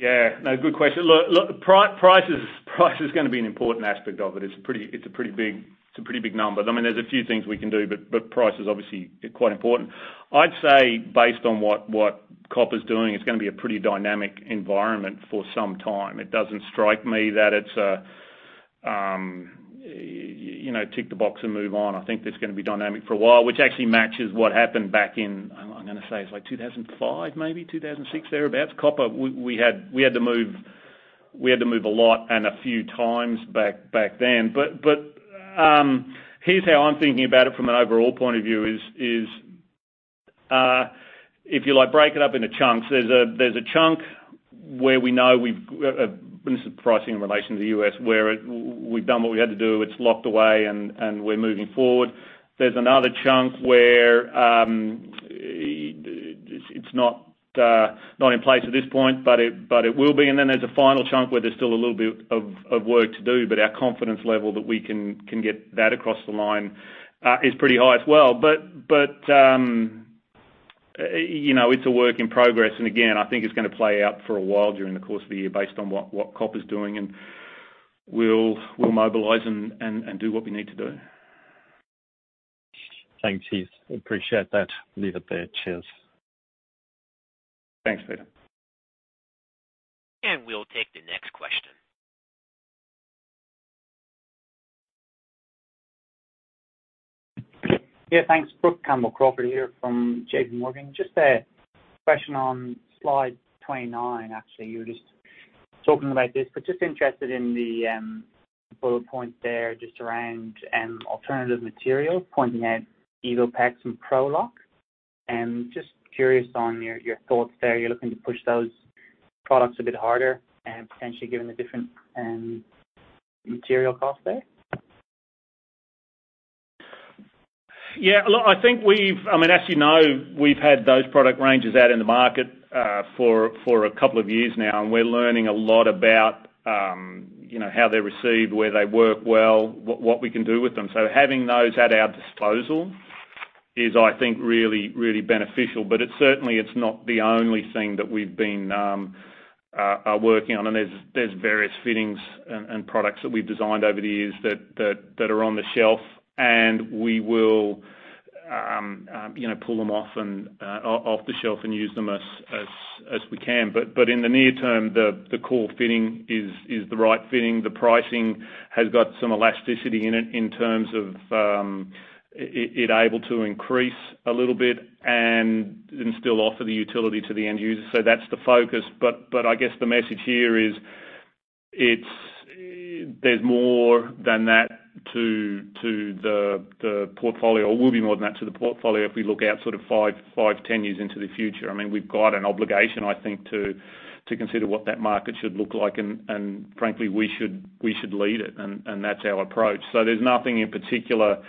Yeah. No, good question. Look, price is going to be an important aspect of it. It's a pretty big number. There's a few things we can do, but price is obviously quite important. I'd say based on what copper's doing, it's going to be a pretty dynamic environment for some time. It doesn't strike me that it's a tick the box and move on. I think that's going to be dynamic for a while, which actually matches what happened back in, I'm going to say it's 2005 maybe, 2006, thereabout. Copper, we had to move a lot and a few times back then. Here's how I'm thinking about it from an overall point of view is, if you break it up into chunks, there's a chunk where we know we've, and this is pricing in relation to the U.S., where we've done what we had to do, it's locked away, and we're moving forward. There's another chunk where it's not in place at this point, but it will be. Then there's a final chunk where there's still a little bit of work to do, but our confidence level that we can get that across the line is pretty high as well. It's a work in progress, again, I think it's going to play out for a while during the course of the year based on what copper's doing, and we'll mobilize and do what we need to do. Thanks, Heath. Appreciate that. Leave it there. Cheers. Thanks, Peter. We'll take the next question. Yeah. Thanks. Brook Campbell-Crawford here from JPMorgan. Just a question on slide 29, actually. You were just talking about this, but just interested in the bullet point there, just around alternative materials, pointing out EvoPEX and ProLock. Just curious on your thoughts there. You're looking to push those products a bit harder and potentially given the different material cost there? Yeah. Look, as you know, we've had those product ranges out in the market for a couple of years now, and we're learning a lot about how they're received, where they work well, what we can do with them. Having those at our disposal is, I think, really beneficial. Certainly it's not the only thing that we've been working on. There's various fittings and products that we've designed over the years that are on the shelf, and we will pull them off the shelf and use them as we can. In the near term, the core fitting is the right fitting. The pricing has got some elasticity in it in terms of it able to increase a little bit and still offer the utility to the end user. That's the focus. I guess the message here is, there's more than that to the portfolio, or will be more than that to the portfolio if we look out sort of five, 10 years into the future. We've got an obligation, I think, to consider what that market should look like, and frankly, we should lead it, and that's our approach. There's nothing in particular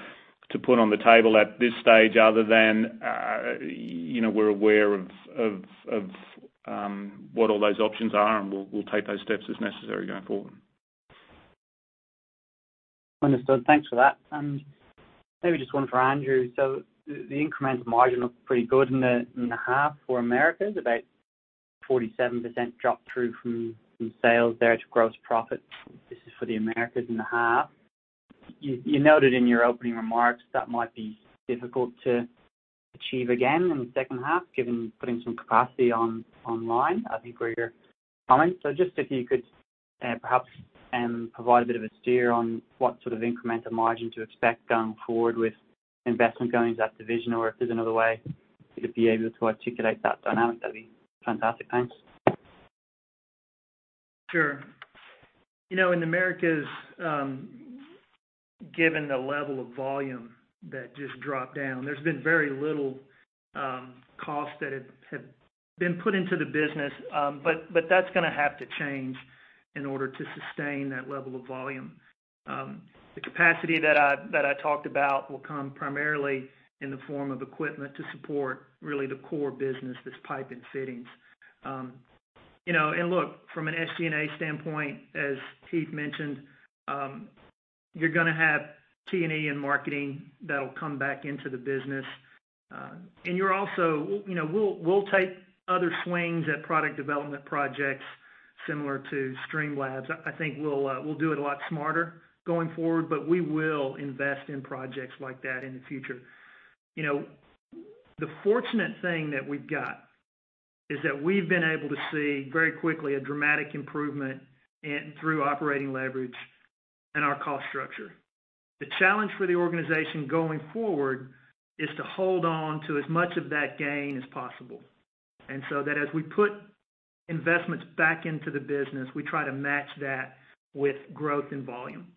to put on the table at this stage other than we're aware of what all those options are, and we'll take those steps as necessary going forward. Understood. Thanks for that. Maybe just one for Andrew. The incremental margin looked pretty good in the half for Americas, about 47% drop through from sales there to gross profit. This is for the Americas in the half. You noted in your opening remarks that might be difficult to achieve again in the second half, given putting some capacity online. I think were your comments. Just if you could perhaps provide a bit of a steer on what sort of incremental margin to expect going forward with investment going to that division, or if there's another way you could be able to articulate that dynamic, that'd be fantastic. Thanks. Sure. In Americas, given the level of volume that just dropped down, there's been very little cost that had been put into the business. That's going to have to change in order to sustain that level of volume. The capacity that I talked about will come primarily in the form of equipment to support really the core business, this pipe and fittings. Look, from an SG&A standpoint, as Heath mentioned, you're going to have T&E and marketing that'll come back into the business. We'll take other swings at product development projects similar to StreamLabs. I think we'll do it a lot smarter going forward, we will invest in projects like that in the future. The fortunate thing that we've got is that we've been able to see very quickly a dramatic improvement through operating leverage in our cost structure. The challenge for the organization going forward is to hold on to as much of that gain as possible. So that as we put investments back into the business, we try to match that with growth and volume.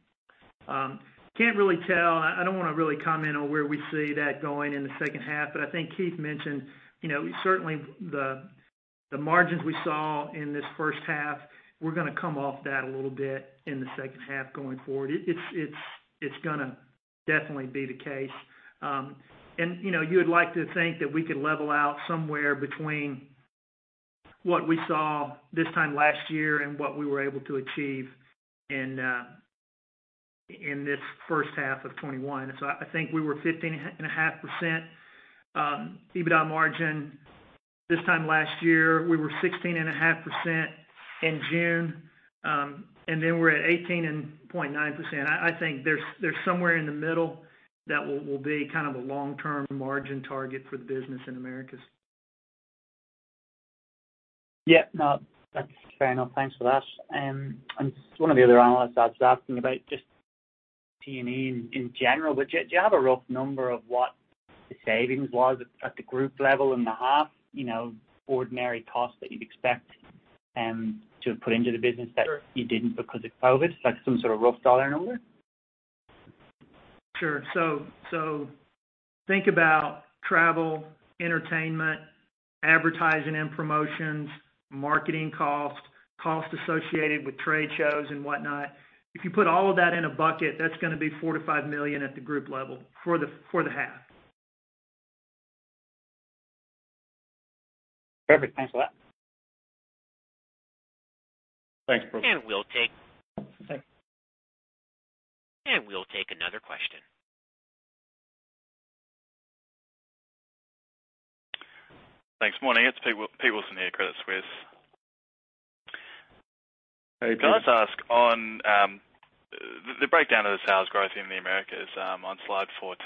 Can't really tell. I don't want to really comment on where we see that going in the second half, but I think Heath mentioned, certainly the margins we saw in this first half, we're going to come off that a little bit in the second half going forward. It's going to definitely be the case. You would like to think that we could level out somewhere between what we saw this time last year and what we were able to achieve in this first half of 2021. I think we were 15.5% EBITDA margin this time last year. We were 16.5% in June, and then we're at 18.9%. I think there's somewhere in the middle that will be kind of a long-term margin target for the business in Americas. Yeah. No, that's fair enough. Thanks for that. One of the other analysts I was asking about, just T&E in general, but do you have a rough number of what the savings was at the group level in the half? Sure that you didn't because of COVID? Like some sort of rough $ number? Sure. Think about travel, entertainment, advertising and promotions, marketing costs associated with trade shows and whatnot. If you put all of that in a bucket, that's going to be 4 million to 5 million at the group level for the half. Perfect. Thanks for that. Thanks, Brook. We'll. Okay. We'll take another question. Thanks. Morning. It's Peter Wilson here at Credit Suisse. Hey, Peter. Can I just ask on the breakdown of the sales growth in the Americas, on slide 14,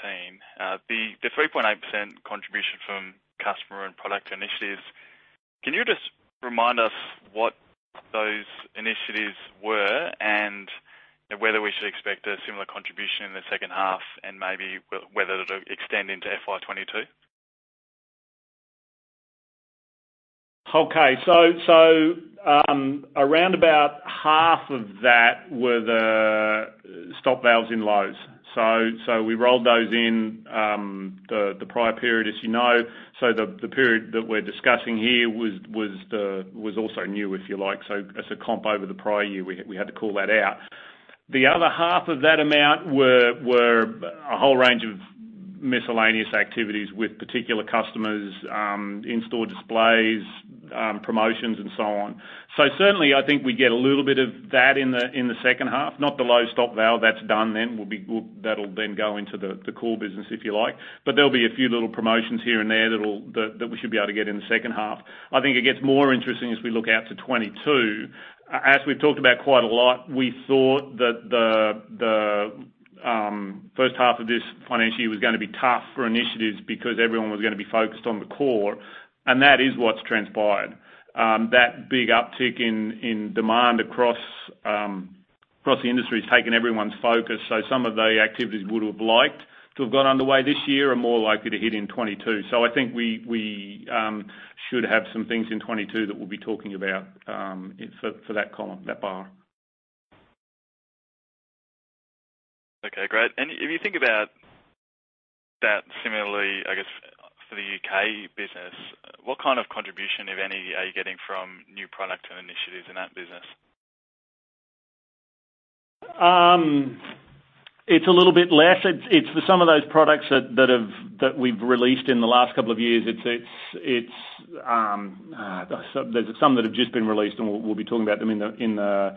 the 3.8% contribution from customer and product initiatives, can you just remind us what those initiatives were and whether we should expect a similar contribution in the second half and maybe whether it'll extend into FY 2022? Around about half of that were the stop valves in Lowe's. We rolled those in the prior period, as you know. The period that we're discussing here was also new, if you like. As a comp over the prior year, we had to call that out. The other half of that amount were a whole range of miscellaneous activities with particular customers, in-store displays, promotions and so on. Certainly, I think we get a little bit of that in the second half. Not the Lowe's stop valve. That's done then. That'll then go into the core business, if you like. There'll be a few little promotions here and there that we should be able to get in the second half. I think it gets more interesting as we look out to 2022. As we've talked about quite a lot, we thought that the first half of this financial year was going to be tough for initiatives because everyone was going to be focused on the core, and that is what's transpired. That big uptick in demand across the industry has taken everyone's focus. Some of the activities we would've liked to have got underway this year are more likely to hit in 2022. I think we should have some things in 2022 that we'll be talking about for that column, that bar. Okay, great. If you think about that similarly, I guess, for the U.K. business, what kind of contribution, if any, are you getting from new product and initiatives in that business? It's a little bit less. It's for some of those products that we've released in the last couple of years. There's some that have just been released, and we'll be talking about them in the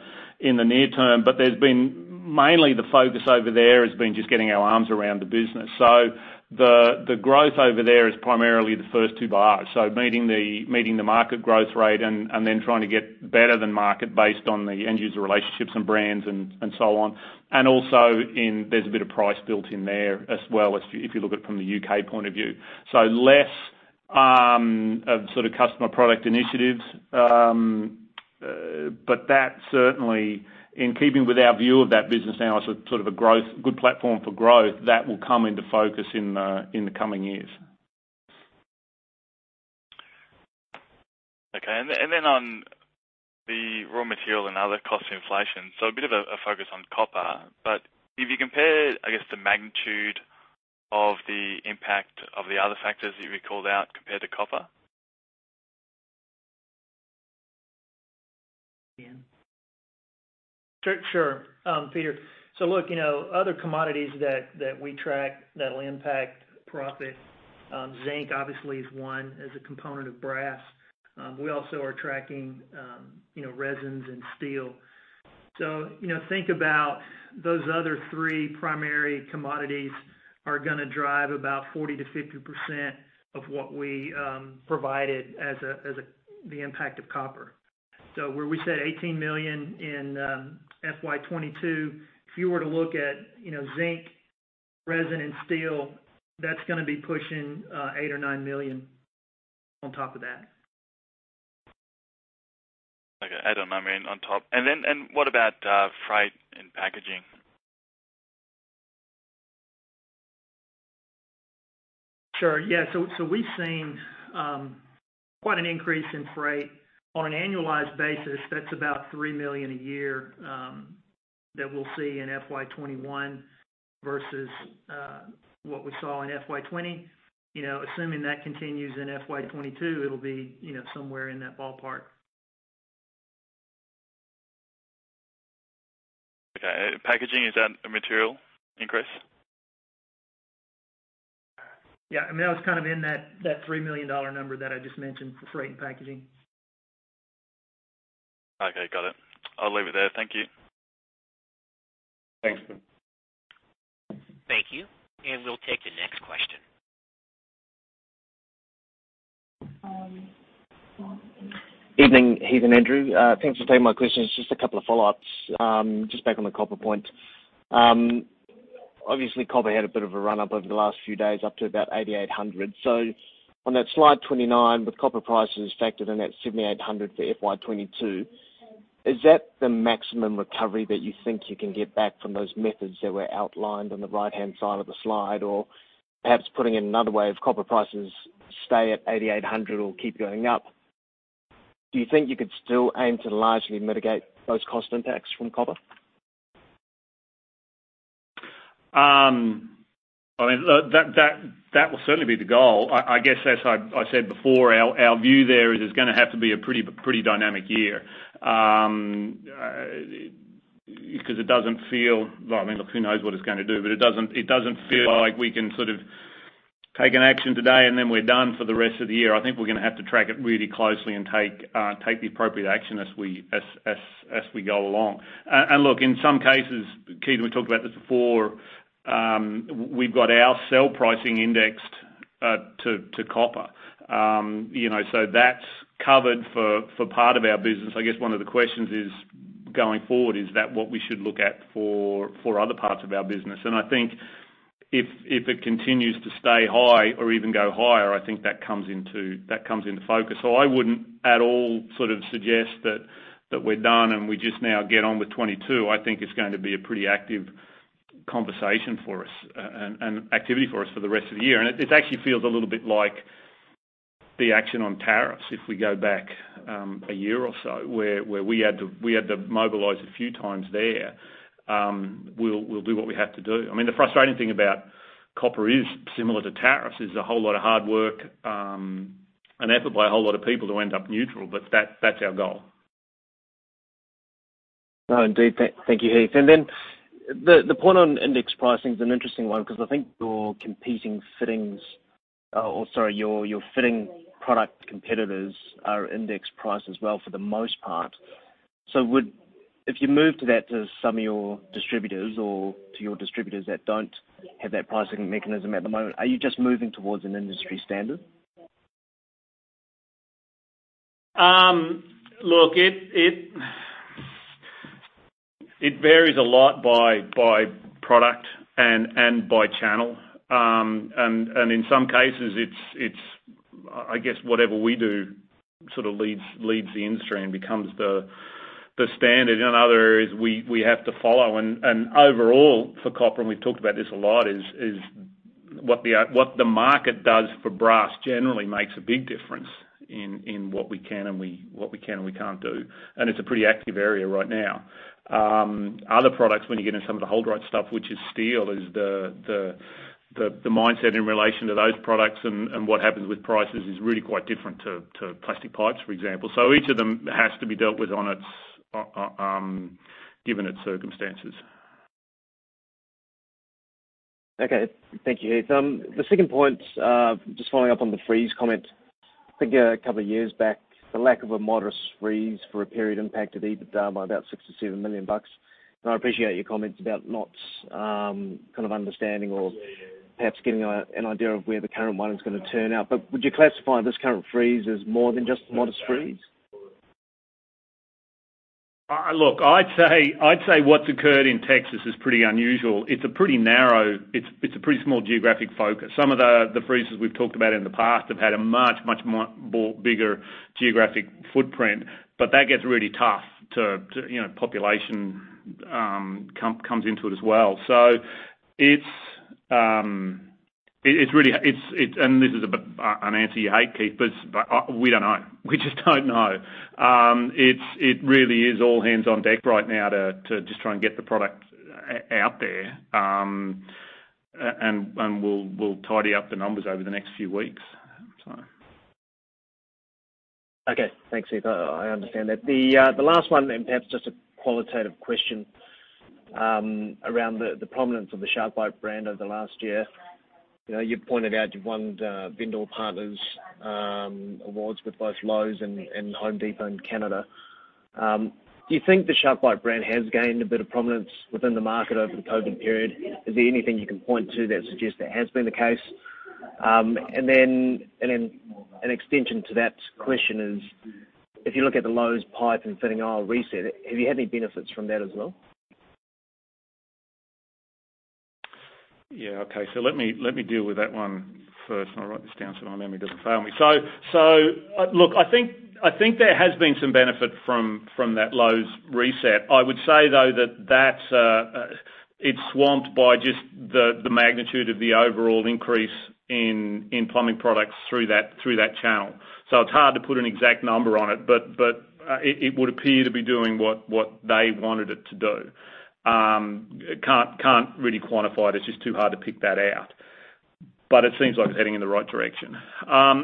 near term. There's been Mainly the focus over there has been just getting our arms around the business. The growth over there is primarily the first two bars. Meeting the market growth rate and then trying to get better than market based on the end user relationships and brands and so on. Also there's a bit of price built in there as well, if you look at it from the U.K. point of view. Less of sort of customer product initiatives. That certainly, in keeping with our view of that business now as sort of a good platform for growth, that will come into focus in the coming years. Okay. On the raw material and other cost inflation, so a bit of a focus on copper, but if you compare, I guess, the magnitude of the impact of the other factors that you called out compared to copper? Sure. Peter. Look, other commodities that we track that'll impact profit, zinc obviously is one, as a component of brass. We also are tracking resins and steel. Think about those other three primary commodities are going to drive about 40%-50% of what we provided as the impact of copper. Where we said 18 million in FY 2022, if you were to look at zinc, resin and steel, that's going to be pushing 8 million or 9 million on top of that. Okay. I don't know, I mean, what about freight and packaging? Sure. Yeah. We've seen quite an increase in freight. On an annualized basis, that's about 3 million a year that we'll see in FY 2021 versus what we saw in FY 2020. Assuming that continues in FY 2022, it'll be somewhere in that ballpark. Okay. Packaging, is that a material increase? I mean, that was kind of in that 3 million dollar number that I just mentioned for freight and packaging. Okay. Got it. I'll leave it there. Thank you. Thanks. Thank you. We'll take the next question. Evening, Heath and Andrew. Thanks for taking my questions. Just a couple of follow-ups. Just back on the copper point. Obviously, copper had a bit of a run up over the last few days up to about 8,800. On that slide 29, with copper prices factored in that 7,800 for FY 2022, is that the maximum recovery that you think you can get back from those methods that were outlined on the right-hand side of the slide? Or perhaps putting it another way, if copper prices stay at 8,800 or keep going up, do you think you could still aim to largely mitigate those cost impacts from copper? That will certainly be the goal. I guess as I said before, our view there is it's gonna have to be a pretty dynamic year. It doesn't feel, well, I mean, look, who knows what it's going to do, but it doesn't feel like we can sort of take an action today and then we're done for the rest of the year. I think we're going to have to track it really closely and take the appropriate action as we go along. Look, in some cases, Heath, and we talked about this before, we've got our sell pricing indexed to copper. That's covered for part of our business. I guess one of the questions is, going forward, is that what we should look at for other parts of our business? I think if it continues to stay high or even go higher, I think that comes into focus. I wouldn't at all sort of suggest that we're done and we just now get on with 2022. I think it's going to be a pretty active conversation for us and activity for us for the rest of the year. It actually feels a little bit like the action on tariffs if we go back one year or so, where we had to mobilize a few times there. We'll do what we have to do. I mean, the frustrating thing about copper is similar to tariffs, is a whole lot of hard work and effort by a whole lot of people to end up neutral. That's our goal. No, indeed. Thank you, Heath. The point on index pricing is an interesting one because I think your competing fittings, or sorry, your fitting product competitors are index priced as well for the most part. If you move to some of your distributors or to your distributors that don't have that pricing mechanism at the moment, are you just moving towards an industry standard? Look, it varies a lot by product and by channel. In some cases, it's I guess whatever we do sort of leads the industry and becomes the standard. In other areas we have to follow. Overall for copper, and we've talked about this a lot, is what the market does for brass generally makes a big difference in what we can and we can't do. It's a pretty active area right now. Other products, when you get into some of the HoldRite stuff, which is steel, is the mindset in relation to those products and what happens with prices is really quite different to plastic pipes, for example. Each of them has to be dealt with given its circumstances. Okay. Thank you, Heath. The second point, just following up on the freeze comment. I think a couple of years back, the lack of a modest freeze for a period impacted EBIT down by about 6 million-7 million bucks. I appreciate your comments about not understanding or perhaps getting an idea of where the current one is going to turn out. Would you classify this current freeze as more than just a modest freeze? Look, I'd say what's occurred in Texas is pretty unusual. It's a pretty narrow, it's a pretty small geographic focus. Some of the freezes we've talked about in the past have had a much, much more bigger geographic footprint, but that gets really tough to, population comes into it as well. This is an answer you hate, Heath, but we don't know. We just don't know. It really is all hands on deck right now to just try and get the product out there, and we'll tidy up the numbers over the next few weeks. Okay. Thanks, Heath. I understand that. The last one, perhaps just a qualitative question around the prominence of the SharkBite brand over the last year. You've pointed out you've won Vendor Partners awards with both Lowe's and Home Depot in Canada. Do you think the SharkBite brand has gained a bit of prominence within the market over the COVID period? Is there anything you can point to that suggests that has been the case? An extension to that question is, if you look at the Lowe's pipe and fitting aisle reset, have you had any benefits from that as well? Yeah. Okay. Let me deal with that one first. I'll write this down so my memory doesn't fail me. Look, I think there has been some benefit from that Lowe's reset. I would say, though, that it's swamped by just the magnitude of the overall increase in plumbing products through that channel. It's hard to put an exact number on it, but it would appear to be doing what they wanted it to do. Can't really quantify it. It's just too hard to pick that out. It seems like it's heading in the right direction.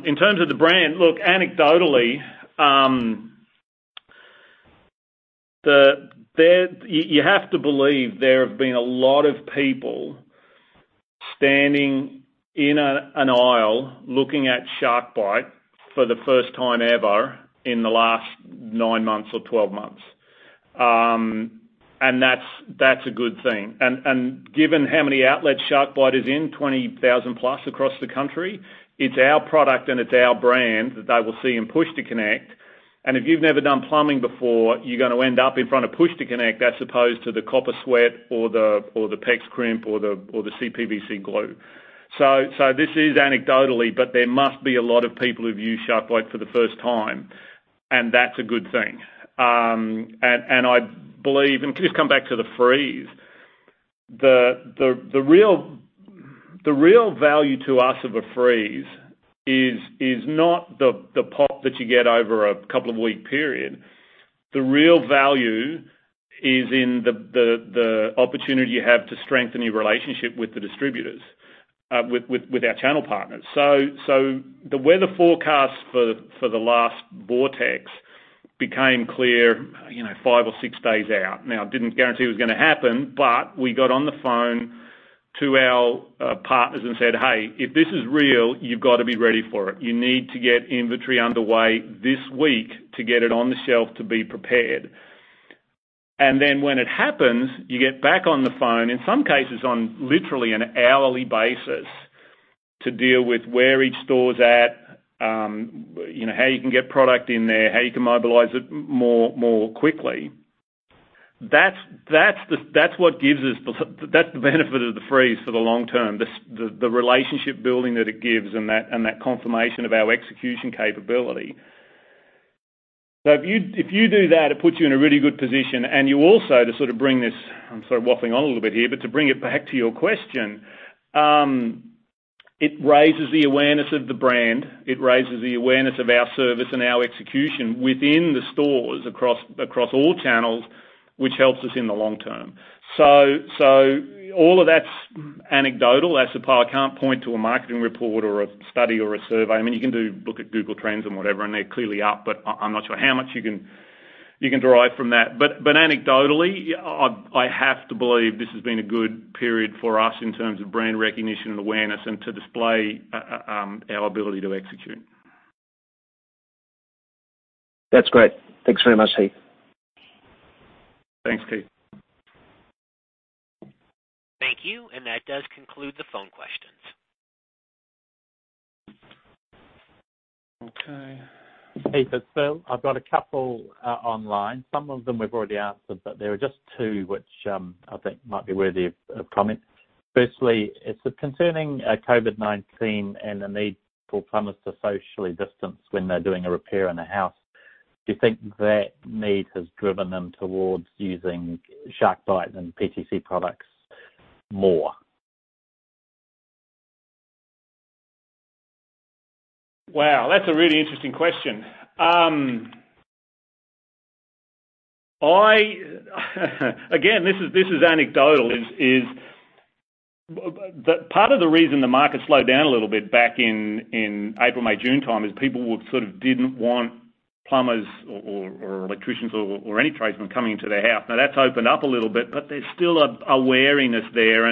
In terms of the brand, look, anecdotally, you have to believe there have been a lot of people standing in an aisle looking at SharkBite for the first time ever in the last nine months or 12 months. That's a good thing. Given how many outlets SharkBite is in, 20,000 plus across the country, it's our product and it's our brand that they will see in push-to-connect. If you've never done plumbing before, you're gonna end up in front of push-to-connect, as opposed to the copper sweat or the PEX crimp or the CPVC glue. This is anecdotally, but there must be a lot of people who've used SharkBite for the first time, and that's a good thing. I believe, and just come back to the freeze, the real value to us of a freeze is not the pop that you get over a couple of week period. The real value is in the opportunity you have to strengthen your relationship with the distributors, with our channel partners. The weather forecast for the last vortex became clear five or six days out. It didn't guarantee it was gonna happen, we got on the phone to our partners and said, "Hey, if this is real, you've got to be ready for it. You need to get inventory underway this week to get it on the shelf to be prepared." When it happens, you get back on the phone, in some cases on literally an hourly basis, to deal with where each store's at, how you can get product in there, how you can mobilize it more quickly. That's the benefit of the freeze for the long term, the relationship building that it gives and that confirmation of our execution capability. If you do that, it puts you in a really good position, and you also, to sort of bring this, I'm sort of waffling on a little bit here, but to bring it back to your question, it raises the awareness of the brand. It raises the awareness of our service and our execution within the stores across all channels, which helps us in the long term. All of that's anecdotal. As the CEO, I can't point to a marketing report or a study or a survey. You can look at Google Trends and whatever, and they're clearly up, but I'm not sure how much you can derive from that. Anecdotally, I have to believe this has been a good period for us in terms of brand recognition and awareness and to display our ability to execute. That's great. Thanks very much, Heath. Thanks, Heath. Thank you. That does conclude the phone questions. Okay. Heath, I've got a couple online. Some of them we've already answered, but there are just two which I think might be worthy of comment. Firstly, it's concerning COVID-19 and the need for plumbers to socially distance when they're doing a repair in a house. Do you think that need has driven them towards using SharkBite and PTC products more? Wow, that's a really interesting question. Again, this is anecdotal, is part of the reason the market slowed down a little bit back in April, May, June time is people sort of didn't want plumbers or electricians or any tradesmen coming into their house. That's opened up a little bit, but there's still a wariness there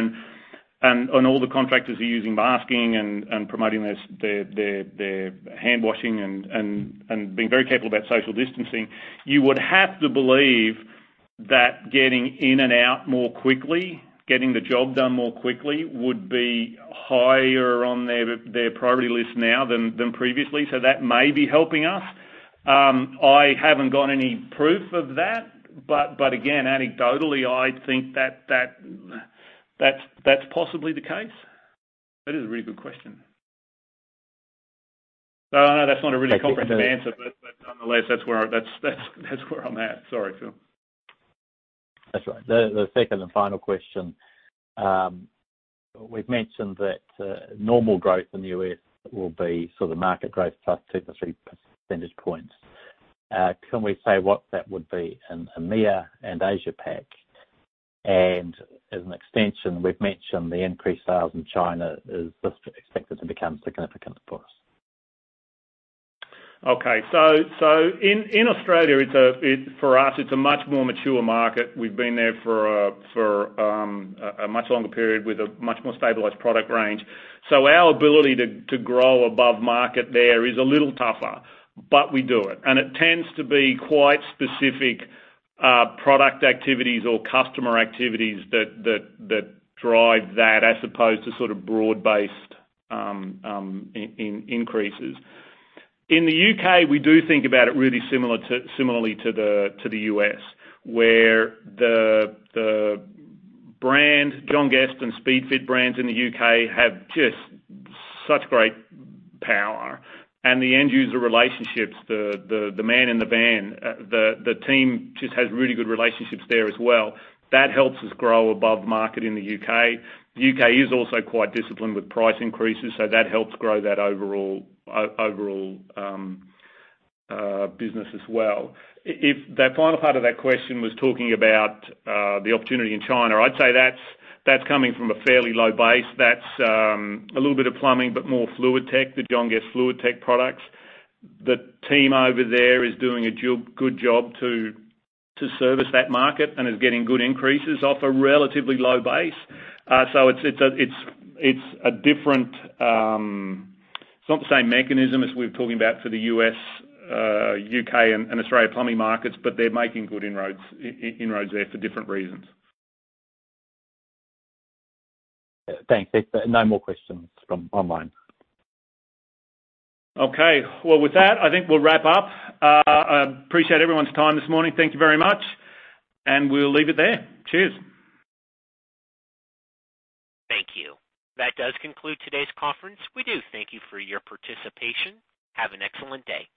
and all the contractors are using masking and promoting their hand washing and being very careful about social distancing. You would have to believe that getting in and out more quickly, getting the job done more quickly, would be higher on their priority list now than previously, that may be helping us. I haven't got any proof of that, again, anecdotally, I think that's possibly the case. That is a really good question. I know that's not a really comprehensive answer. Thank you. Nonetheless, that's where I'm at. Sorry, Phil. That's all right. The second and final question. We've mentioned that normal growth in the U.S. will be sort of market growth plus two to three percentage points. Can we say what that would be in EMEA and Asia Pac? As an extension, we've mentioned the increased sales in China is expected to become significant for us. Okay. In Australia, for us, it's a much more mature market. We've been there for a much longer period with a much more stabilized product range. Our ability to grow above market there is a little tougher, but we do it, and it tends to be quite specific product activities or customer activities that drive that as opposed to sort of broad-based increases. In the U.K., we do think about it really similarly to the U.S., where the brand, John Guest and Speedfit brands in the U.K. have just such great power and the end user relationships, the man in the van, the team just has really good relationships there as well. That helps us grow above market in the U.K. The U.K. is also quite disciplined with price increases, so that helps grow that overall business as well. If the final part of that question was talking about the opportunity in China, I'd say that's coming from a fairly low base. That's a little bit of plumbing, but more fluid tech, the John Guest fluid tech products. The team over there is doing a good job to service that market and is getting good increases off a relatively low base. It's not the same mechanism as we're talking about for the U.S., U.K., and Australia plumbing markets, but they're making good inroads there for different reasons. Thanks. There's no more questions from online. Okay. Well, with that, I think we'll wrap up. Appreciate everyone's time this morning. Thank you very much. We'll leave it there. Cheers. Thank you. That does conclude today's conference. We do thank you for your participation. Have an excellent day.